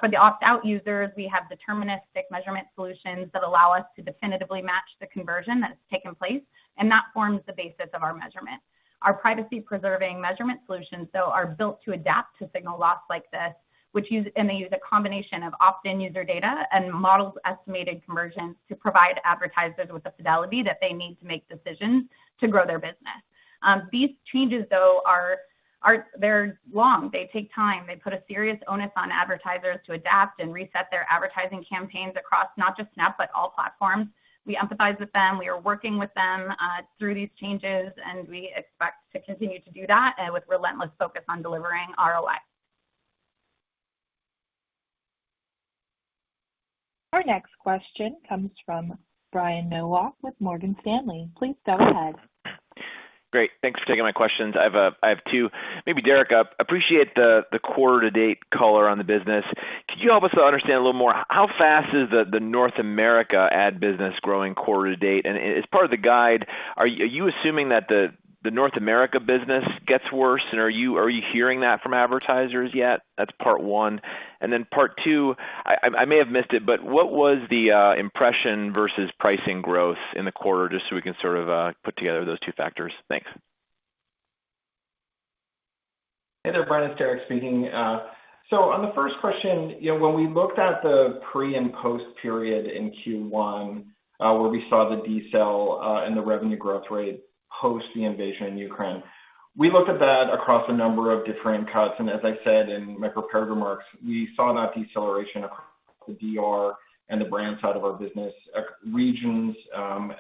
Speaker 4: For the opt-out users, we have deterministic measurement solutions that allow us to definitively match the conversion that's taken place, and that forms the basis of our measurement. Our privacy-preserving measurement solutions, though, are built to adapt to signal loss like this, which use... They use a combination of opt-in user data and modeled estimated conversions to provide advertisers with the fidelity that they need to make decisions to grow their business. These changes, though, are long. They take time. They put a serious onus on advertisers to adapt and reset their advertising campaigns across not just Snap, but all platforms. We empathize with them. We are working with them through these changes, and we expect to continue to do that with relentless focus on delivering ROI.
Speaker 1: Our next question comes from Brian Nowak with Morgan Stanley. Please go ahead.
Speaker 7: Great. Thanks for taking my questions. I have two. Maybe Derek, appreciate the quarter to date color on the business. Can you help us to understand a little more how fast is the North America ad business growing quarter to date? As part of the guide, are you assuming that the North America business gets worse and are you hearing that from advertisers yet? That's part one. Part two, I may have missed it, but what was the impression versus pricing growth in the quarter, just so we can sort of put together those two factors? Thanks.
Speaker 5: Hey there, Brian. It's Derek speaking. On the first question, you know, when we looked at the pre- and post-period in Q1, where we saw the decel and the revenue growth rate post the invasion in Ukraine, we looked at that across a number of different cuts. As I said in my prepared remarks, we saw that deceleration across the DR and the brand side of our business, regions,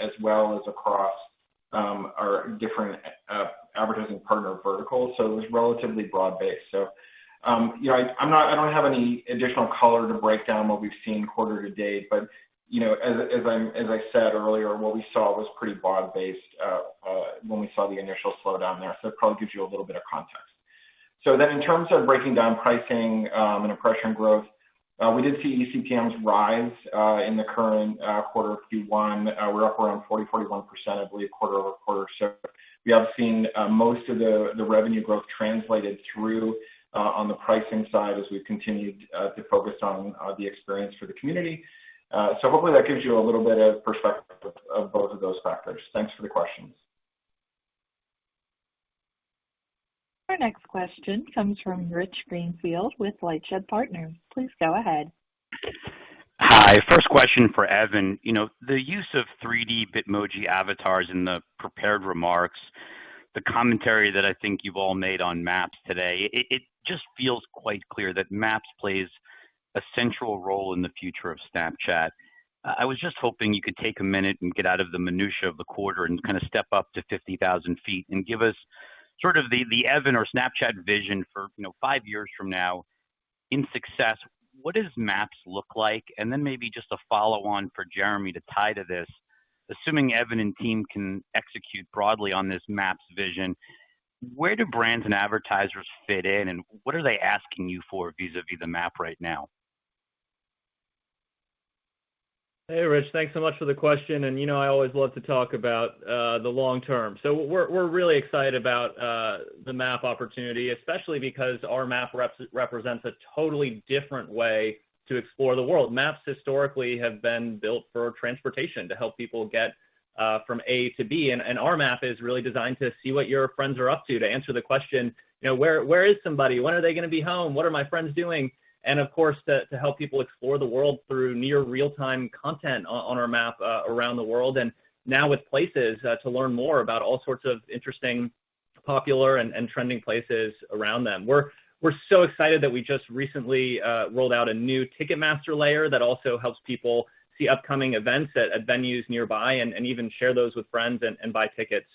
Speaker 5: as well as across our different advertising partner verticals. It was relatively broad-based. You know, I'm not, I don't have any additional color to break down what we've seen quarter to date. You know, as I said earlier, what we saw was pretty broad-based when we saw the initial slowdown there. It probably gives you a little bit of context. In terms of breaking down pricing and impression growth, we did see eCPMs rise in the current quarter of Q1. We're up around 40%-41%, I believe, quarter-over-quarter. We have seen most of the revenue growth translated through on the pricing side as we've continued to focus on the experience for the community. Hopefully that gives you a little bit of perspective of both of those factors. Thanks for the questions.
Speaker 1: Our next question comes from Rich Greenfield with LightShed Partners. Please go ahead.
Speaker 8: Hi. First question for Evan. You know, the use of 3D Bitmoji avatars in the prepared remarks, the commentary that I think you've all made on Maps today, it just feels quite clear that Maps plays a central role in the future of Snapchat. I was just hoping you could take a minute and get out of the minutiae of the quarter and kind of step up to 50,000 feet and give us sort of the Evan or Snapchat vision for, you know, five years from now in success. What does Maps look like? And then maybe just a follow-on for Jeremi to tie to this. Assuming Evan and team can execute broadly on this Maps vision, where do brands and advertisers fit in, and what are they asking you for vis-à-vis the Map right now?
Speaker 3: Hey, Rich, thanks so much for the question. You know, I always love to talk about the long term. We're really excited about the Map opportunity, especially because our Map represents a totally different way to explore the world. Maps historically have been built for transportation to help people get from A to B. Our Map is really designed to see what your friends are up to answer the question, you know, where is somebody? When are they gonna be home? What are my friends doing? Of course, to help people explore the world through near real-time content on our Map around the world. Now with Places to learn more about all sorts of interesting, popular and trending places around them. We're so excited that we just recently rolled out a new Ticketmaster layer that also helps people see upcoming events at venues nearby and even share those with friends and buy tickets.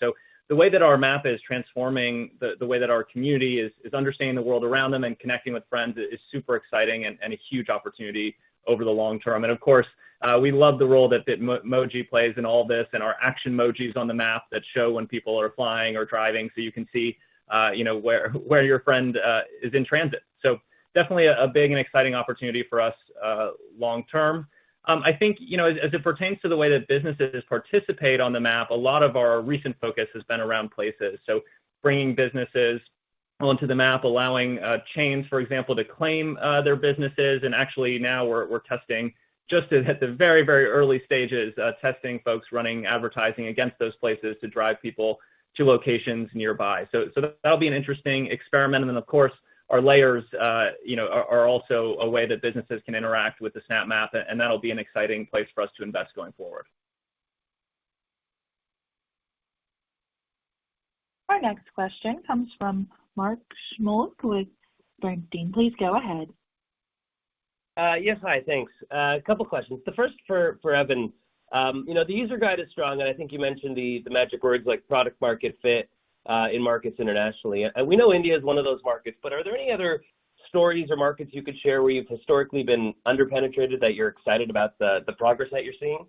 Speaker 3: The way that our Map is transforming the way that our community is understanding the world around them and connecting with friends is super exciting and a huge opportunity over the long term. Of course, we love the role that Bitmoji plays in all this and our Actionmojis on the Map that show when people are flying or driving, so you can see, you know, where your friend is in transit. Definitely a big and exciting opportunity for us, long term. I think, you know, as it pertains to the way that businesses participate on the Snap Map, a lot of our recent focus has been around Places, bringing businesses onto the Snap Map, allowing chains, for example, to claim their businesses. Actually now we're testing just at the very early stages, testing folks running advertising against those places to drive people to locations nearby. That'll be an interesting experiment. Of course, our layers, you know, are also a way that businesses can interact with the Snap Map, and that'll be an exciting place for us to invest going forward.
Speaker 1: Our next question comes from Mark Shmulik with Bernstein. Please go ahead.
Speaker 9: Yes. Hi, thanks. A couple questions. The first for Evan. You know, the user guide is strong, and I think you mentioned the magic words like product market fit in markets internationally. We know India is one of those markets, but are there any other stories or markets you could share where you've historically been under-penetrated that you're excited about the progress that you're seeing?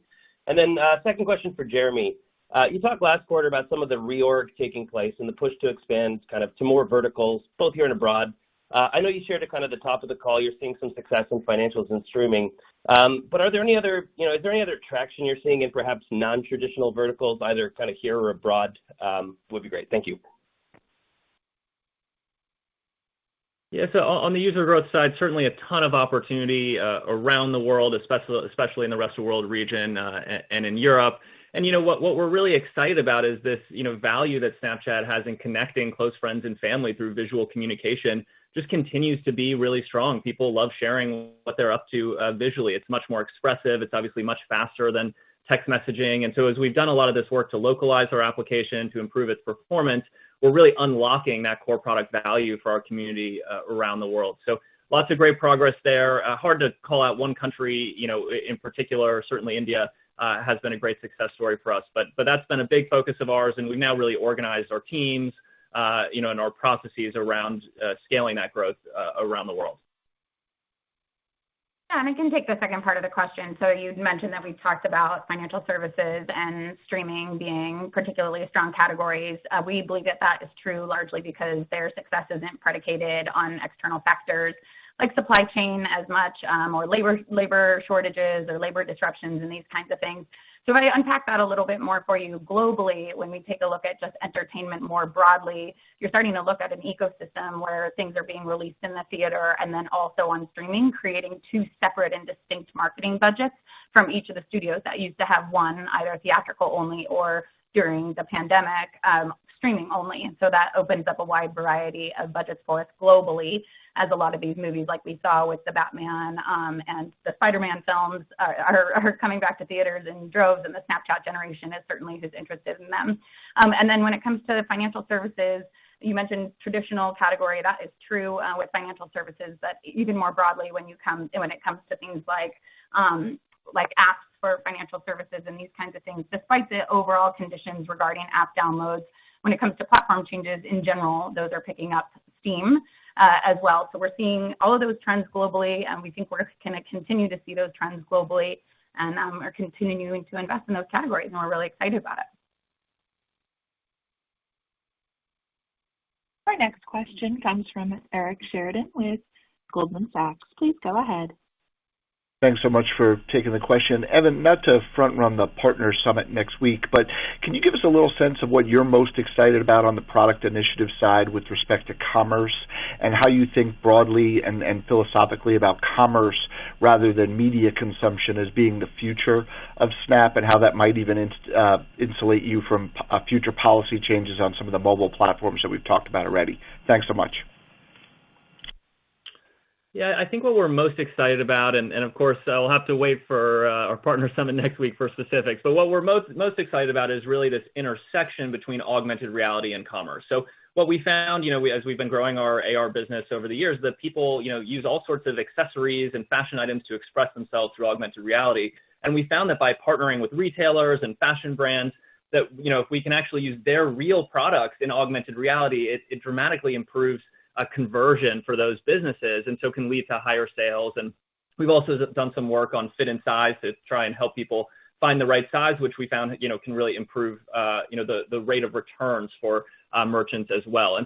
Speaker 9: Second question for Jeremi. You talked last quarter about some of the reorg taking place and the push to expand kind of to more verticals, both here and abroad. I know you shared kind of at the top of the call you're seeing some success in financials and streaming. Are there any other...
Speaker 8: You know, is there any other traction you're seeing in perhaps nontraditional verticals, either kind of here or abroad? Would be great. Thank you.
Speaker 3: Yeah. On the user growth side, certainly a ton of opportunity around the world, especially in the Rest of World region and in Europe. You know, what we're really excited about is this, you know, value that Snapchat has in connecting close friends and family through visual communication just continues to be really strong. People love sharing what they're up to visually. It's much more expressive. It's obviously much faster than text messaging. As we've done a lot of this work to localize our application to improve its performance, we're really unlocking that core product value for our community around the world. Lots of great progress there. Hard to call out one country, you know, in particular. Certainly India has been a great success story for us. That's been a big focus of ours, and we've now really organized our teams, you know, and our processes around scaling that growth around the world.
Speaker 4: Yeah. I can take the second part of the question. You'd mentioned that we've talked about financial services and streaming being particularly strong categories. We believe that is true largely because their success isn't predicated on external factors like supply chain as much, or labor shortages or labor disruptions and these kinds of things. I'm gonna unpack that a little bit more for you. Globally, when we take a look at just entertainment more broadly, you're starting to look at an ecosystem where things are being released in the theater and then also on streaming, creating two separate and distinct marketing budgets from each of the studios that used to have one, either theatrical only or during the pandemic, streaming only. That opens up a wide variety of budgets for us globally as a lot of these movies, like we saw with The Batman, and the Spider-Man films are coming back to theaters in droves, and the Snapchat generation is certainly just interested in them. When it comes to the financial services, you mentioned traditional category. That is true, with financial services, but even more broadly when it comes to things like apps for financial services and these kinds of things. Despite the overall conditions regarding app downloads, when it comes to platform changes in general, those are picking up steam, as well. We're seeing all of those trends globally, and we think we're gonna continue to see those trends globally and are continuing to invest in those categories, and we're really excited about it.
Speaker 1: Our next question comes from Eric Sheridan with Goldman Sachs. Please go ahead.
Speaker 10: Thanks so much for taking the question. Evan, not to front run the partner summit next week, but can you give us a little sense of what you're most excited about on the product initiative side with respect to commerce and how you think broadly and philosophically about commerce rather than media consumption as being the future of Snap and how that might even insulate you from future policy changes on some of the mobile platforms that we've talked about already? Thanks so much.
Speaker 3: Yeah, I think what we're most excited about, and of course, I'll have to wait for our partner summit next week for specifics. What we're most excited about is really this intersection between augmented reality and commerce. What we found, you know, we've been growing our AR business over the years, that people, you know, use all sorts of accessories and fashion items to express themselves through augmented reality. We found that by partnering with retailers and fashion brands that, you know, if we can actually use their real products in augmented reality, it dramatically improves a conversion for those businesses, and so can lead to higher sales. We've also done some work on fit and size to try and help people find the right size, which we found, you know, can really improve the rate of returns for merchants as well.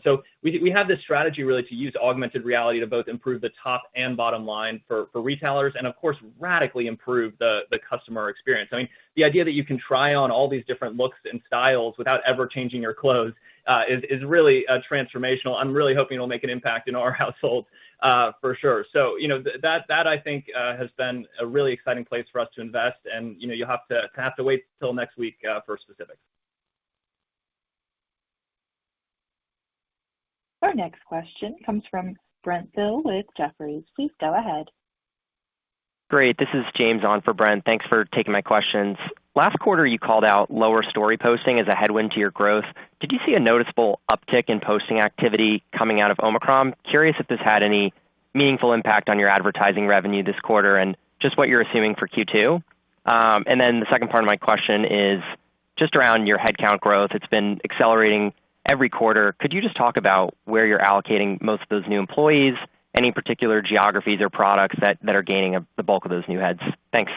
Speaker 3: We have this strategy really to use augmented reality to both improve the top and bottom line for retailers and, of course, radically improve the customer experience. I mean, the idea that you can try on all these different looks and styles without ever changing your clothes is really transformational. I'm really hoping it'll make an impact in our household for sure. You know, that I think has been a really exciting place for us to invest. You'll have to kind of have to wait till next week for specifics.
Speaker 1: Our next question comes from Brent Thill with Jefferies. Please go ahead.
Speaker 11: Great. This is James on for Brent. Thanks for taking my questions. Last quarter, you called out lower story posting as a headwind to your growth. Did you see a noticeable uptick in posting activity coming out of Omicron? Curious if this had any meaningful impact on your advertising revenue this quarter and just what you're assuming for Q2. And then the second part of my question is just around your headcount growth. It's been accelerating every quarter. Could you just talk about where you're allocating most of those new employees? Any particular geographies or products that are gaining the bulk of those new heads? Thanks.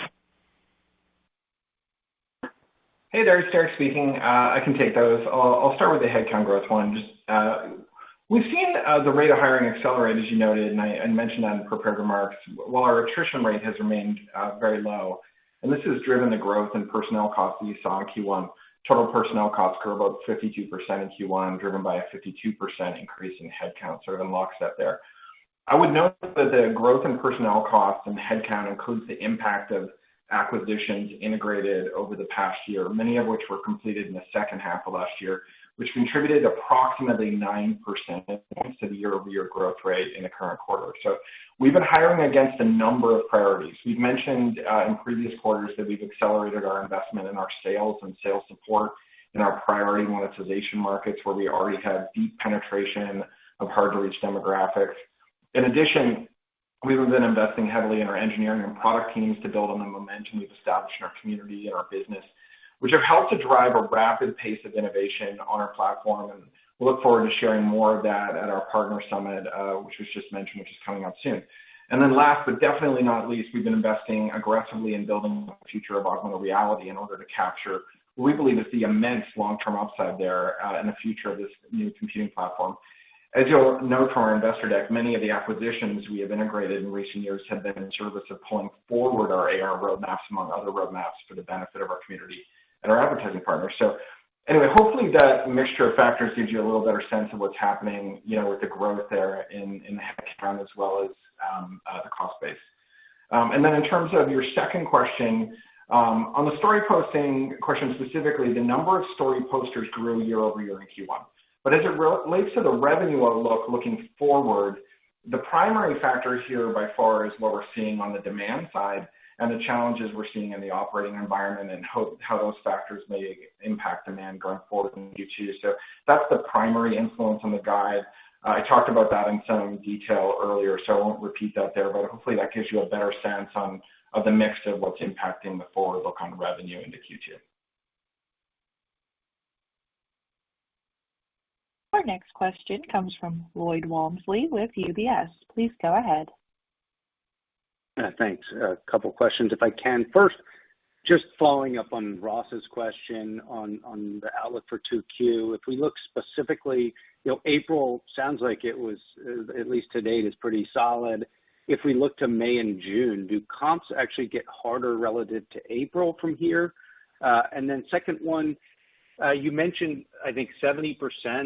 Speaker 5: Hey there. Derek speaking. I can take those. I'll start with the headcount growth one. Just, we've seen the rate of hiring accelerate, as you noted, and I mentioned that in prepared remarks. While our attrition rate has remained very low, and this has driven the growth in personnel costs that you saw in Q1. Total personnel costs grew about 52% in Q1, driven by a 52% increase in headcount. Sort of a lockstep there. I would note that the growth in personnel costs and headcount includes the impact of acquisitions integrated over the past year, many of which were completed in the second half of last year, which contributed approximately 9% to the year-over-year growth rate in the current quarter. We've been hiring against a number of priorities. We've mentioned in previous quarters that we've accelerated our investment in our sales and sales support in our priority monetization markets, where we already have deep penetration of hard-to-reach demographics. In addition, we have been investing heavily in our engineering and product teams to build on the momentum we've established in our community and our business, which have helped to drive a rapid pace of innovation on our platform. We look forward to sharing more of that at our Partner Summit, which was just mentioned, which is coming up soon. Last, but definitely not least, we've been investing aggressively in building the future of augmented reality in order to capture what we believe is the immense long-term upside there, in the future of this new computing platform. As you'll note from our investor deck, many of the acquisitions we have integrated in recent years have been in service of pulling forward our AR roadmaps, among other roadmaps, for the benefit of our community and our advertising partners. Anyway, hopefully that mixture of factors gives you a little better sense of what's happening, you know, with the growth there in headcount as well as the cost base. In terms of your second question, on the story posting question specifically, the number of story posters grew year-over-year in Q1. As it relates to the revenue outlook looking forward, the primary factor here by far is what we're seeing on the demand side and the challenges we're seeing in the operating environment and how those factors may impact demand going forward into Q2. That's the primary influence on the guide. I talked about that in some detail earlier, so I won't repeat that there. Hopefully, that gives you a better sense of the mix of what's impacting the forward-look on revenue into Q2.
Speaker 1: Our next question comes from Lloyd Walmsley with UBS. Please go ahead.
Speaker 12: Thanks. A couple questions if I can. First, just following up on Ross's question on the outlook for 2Q. If we look specifically, you know, April sounds like it was, at least to date, is pretty solid. If we look to May and June, do comps actually get harder relative to April from here? And then second one, you mentioned I think 70%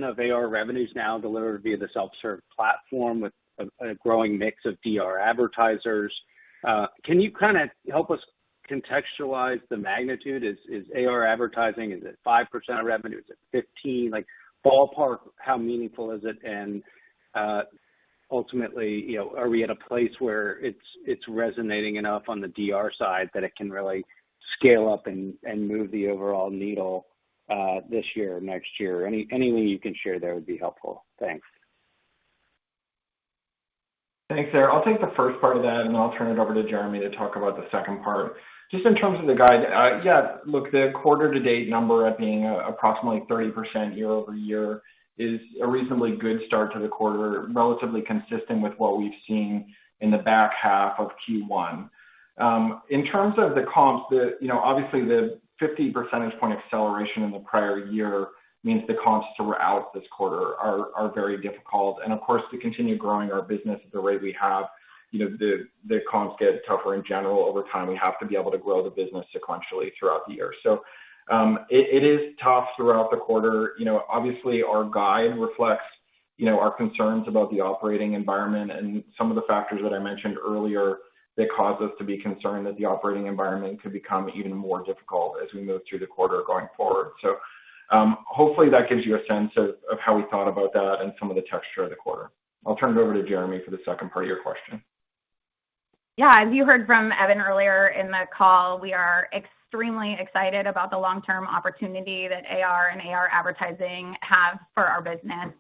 Speaker 12: of AR revenue is now delivered via the self-serve platform with a growing mix of DR advertisers. Can you kind of help us contextualize the magnitude? Is AR advertising, is it 5% of revenue? Is it 15%? Like, ballpark, how meaningful is it? Ultimately, you know, are we at a place where it's resonating enough on the DR side that it can really scale up and move the overall needle this year or next year? Any way you can share there would be helpful. Thanks.
Speaker 5: Thanks, Lloyd. I'll take the first part of that, and then I'll turn it over to Jeremi to talk about the second part. Just in terms of the guide, yeah, look, the quarter-to-date number being approximately 30% year-over-year is a reasonably good start to the quarter, relatively consistent with what we've seen in the back half of Q1. In terms of the comps, you know, obviously the 50 percentage point acceleration in the prior year means the comps throughout this quarter are very difficult. Of course, to continue growing our business the way we have, you know, the comps get tougher in general over time. We have to be able to grow the business sequentially throughout the year. It is tough throughout the quarter. You know, obviously our guide reflects, you know, our concerns about the operating environment and some of the factors that I mentioned earlier that cause us to be concerned that the operating environment could become even more difficult as we move through the quarter going forward. Hopefully that gives you a sense of how we thought about that and some of the texture of the quarter. I'll turn it over to Jeremi for the second part of your question.
Speaker 4: Yeah, as you heard from Evan earlier in the call, we are extremely excited about the long-term opportunity that AR and AR advertising have for our business.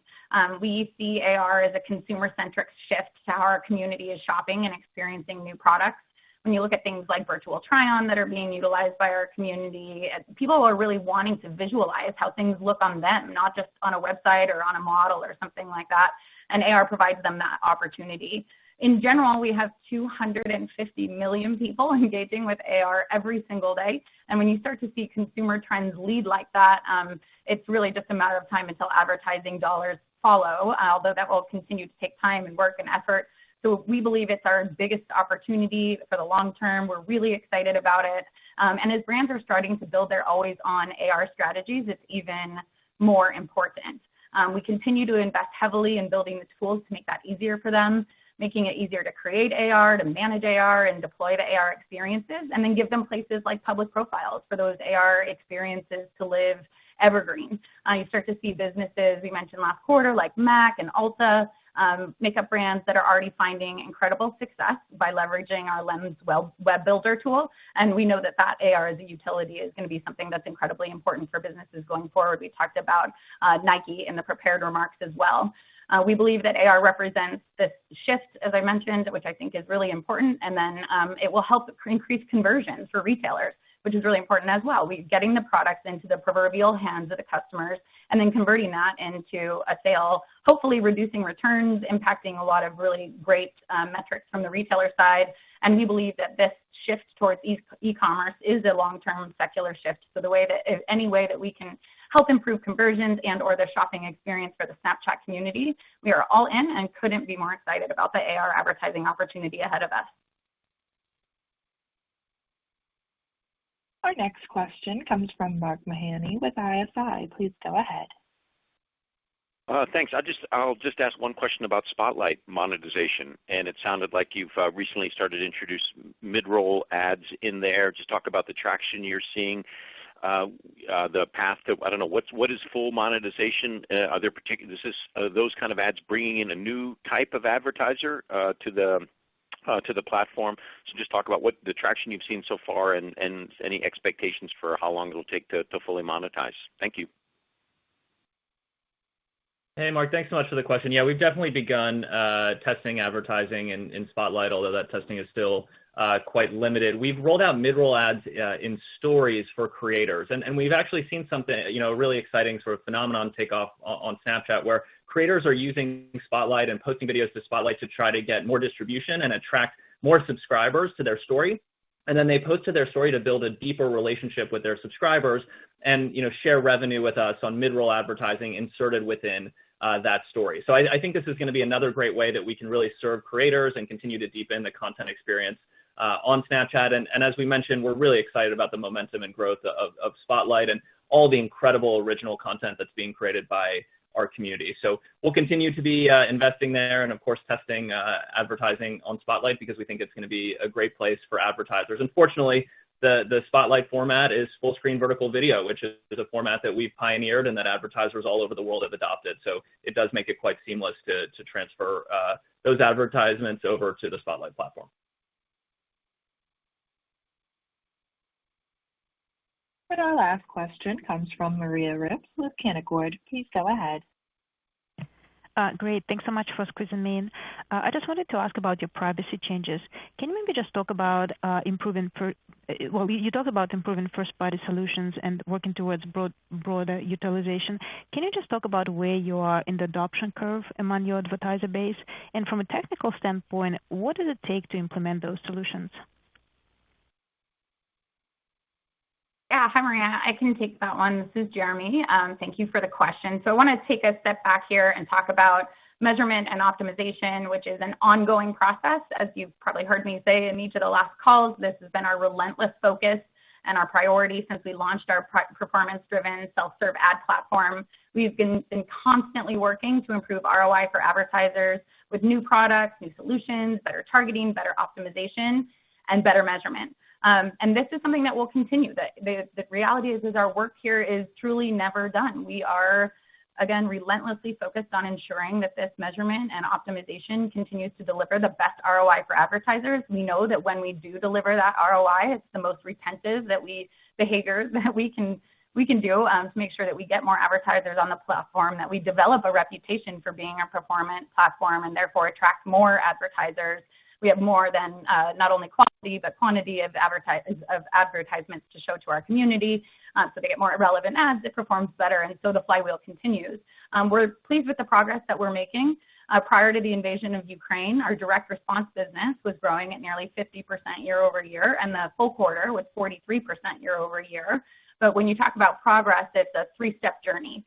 Speaker 4: We see AR as a consumer-centric shift to how our community is shopping and experiencing new products. When you look at things like virtual try-on that are being utilized by our community, as people are really wanting to visualize how things look on them, not just on a website or on a model or something like that, and AR provides them that opportunity. In general, we have 250 million people engaging with AR every single day. When you start to see consumer trends lead like that, it's really just a matter of time until advertising dollars follow, although that will continue to take time and work and effort. We believe it's our biggest opportunity for the long term. We're really excited about it. As brands are starting to build their always on AR strategies, it's even more important. We continue to invest heavily in building the tools to make that easier for them, making it easier to create AR, to manage AR, and deploy the AR experiences, and then give them places like public profiles for those AR experiences to live evergreen. You start to see businesses we mentioned last quarter, like MAC and Ulta, makeup brands that are already finding incredible success by leveraging our Lens Web Builder tool. We know that AR as a utility is gonna be something that's incredibly important for businesses going forward. We talked about Nike in the prepared remarks as well. We believe that AR represents this shift, as I mentioned, which I think is really important, and then it will help increase conversions for retailers, which is really important as well. We're getting the products into the proverbial hands of the customers and then converting that into a sale, hopefully reducing returns, impacting a lot of really great metrics from the retailer side. We believe that this shift towards e-commerce is a long-term secular shift. Any way that we can help improve conversions and/or their shopping experience for the Snapchat community, we are all in and couldn't be more excited about the AR advertising opportunity ahead of us.
Speaker 1: Our next question comes from Mark Mahaney with Evercore ISI. Please go ahead.
Speaker 13: Thanks. I'll just ask one question about Spotlight monetization. It sounded like you've recently started to introduce mid-roll ads in there. Just talk about the traction you're seeing, the path to full monetization. I don't know, what is full monetization? Are there particular. Is this, are those kind of ads bringing in a new type of advertiser to the platform? Just talk about what the traction you've seen so far and any expectations for how long it'll take to fully monetize. Thank you.
Speaker 3: Hey, Mark. Thanks so much for the question. Yeah, we've definitely begun testing advertising in Spotlight, although that testing is still quite limited. We've rolled out mid-roll ads in Stories for creators. We've actually seen something, you know, really exciting sort of phenomenon take off on Snapchat, where creators are using Spotlight and posting videos to Spotlight to try to get more distribution and attract more subscribers to their Story. They post to their Story to build a deeper relationship with their subscribers and, you know, share revenue with us on mid-roll advertising inserted within that Story. I think this is gonna be another great way that we can really serve creators and continue to deepen the content experience on Snapchat. As we mentioned, we're really excited about the momentum and growth of Spotlight and all the incredible original content that's being created by our community. We'll continue to be investing there and of course, testing advertising on Spotlight because we think it's gonna be a great place for advertisers. Fortunately, the Spotlight format is full screen vertical video, which is a format that we've pioneered and that advertisers all over the world have adopted. It does make it quite seamless to transfer those advertisements over to the Spotlight platform.
Speaker 1: Our last question comes from Maria Ripps with Canaccord. Please go ahead.
Speaker 14: Great. Thanks so much for squeezing me in. I just wanted to ask about your privacy changes. Can you maybe just talk about, well, you talked about improving first-party solutions and working towards broader utilization. Can you just talk about where you are in the adoption curve among your advertiser base? And from a technical standpoint, what does it take to implement those solutions?
Speaker 4: Yeah. Hi, Maria. I can take that one. This is Jeremi. Thank you for the question. I wanna take a step back here and talk about measurement and optimization, which is an ongoing process. As you've probably heard me say in each of the last calls, this has been our relentless focus and our priority since we launched our performance-driven self-serve ad platform. We've been constantly working to improve ROI for advertisers with new products, new solutions, better targeting, better optimization, and better measurement. This is something that will continue. The reality is our work here is truly never done. We are again relentlessly focused on ensuring that this measurement and optimization continues to deliver the best ROI for advertisers. We know that when we do deliver that ROI, it's the most retentive that we... behaviors that we can do to make sure that we get more advertisers on the platform, that we develop a reputation for being a performance platform and therefore attract more advertisers. We have more than not only quality, but quantity of advertisements to show to our community, so they get more relevant ads. It performs better, and the flywheel continues. We're pleased with the progress that we're making. Prior to the invasion of Ukraine, our direct response business was growing at nearly 50% year-over-year, and the full quarter was 43% year-over-year. When you talk about progress, it's a three-step journey.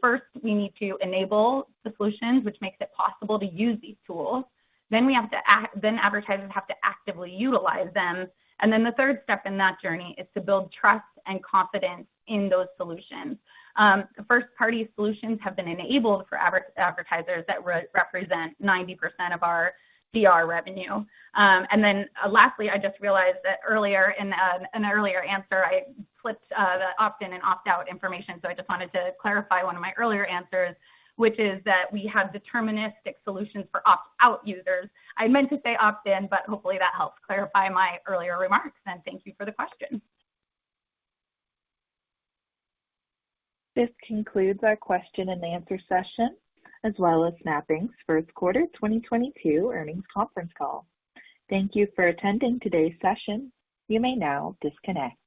Speaker 4: First, we need to enable the solutions, which makes it possible to use these tools. Then advertisers have to actively utilize them. Then the third step in that journey is to build trust and confidence in those solutions. The first-party solutions have been enabled for advertisers that represent 90% of our DR revenue. Lastly, I just realized that earlier in an earlier answer, I flipped the opt-in and opt-out information. I just wanted to clarify one of my earlier answers, which is that we have deterministic solutions for opt-out users. I meant to say opt-in, but hopefully that helps clarify my earlier remarks. Thank you for the question.
Speaker 1: This concludes our question-and-answer session, as well as Snap Inc's first quarter 2022 earnings conference call. Thank you for attending today's session. You may now disconnect.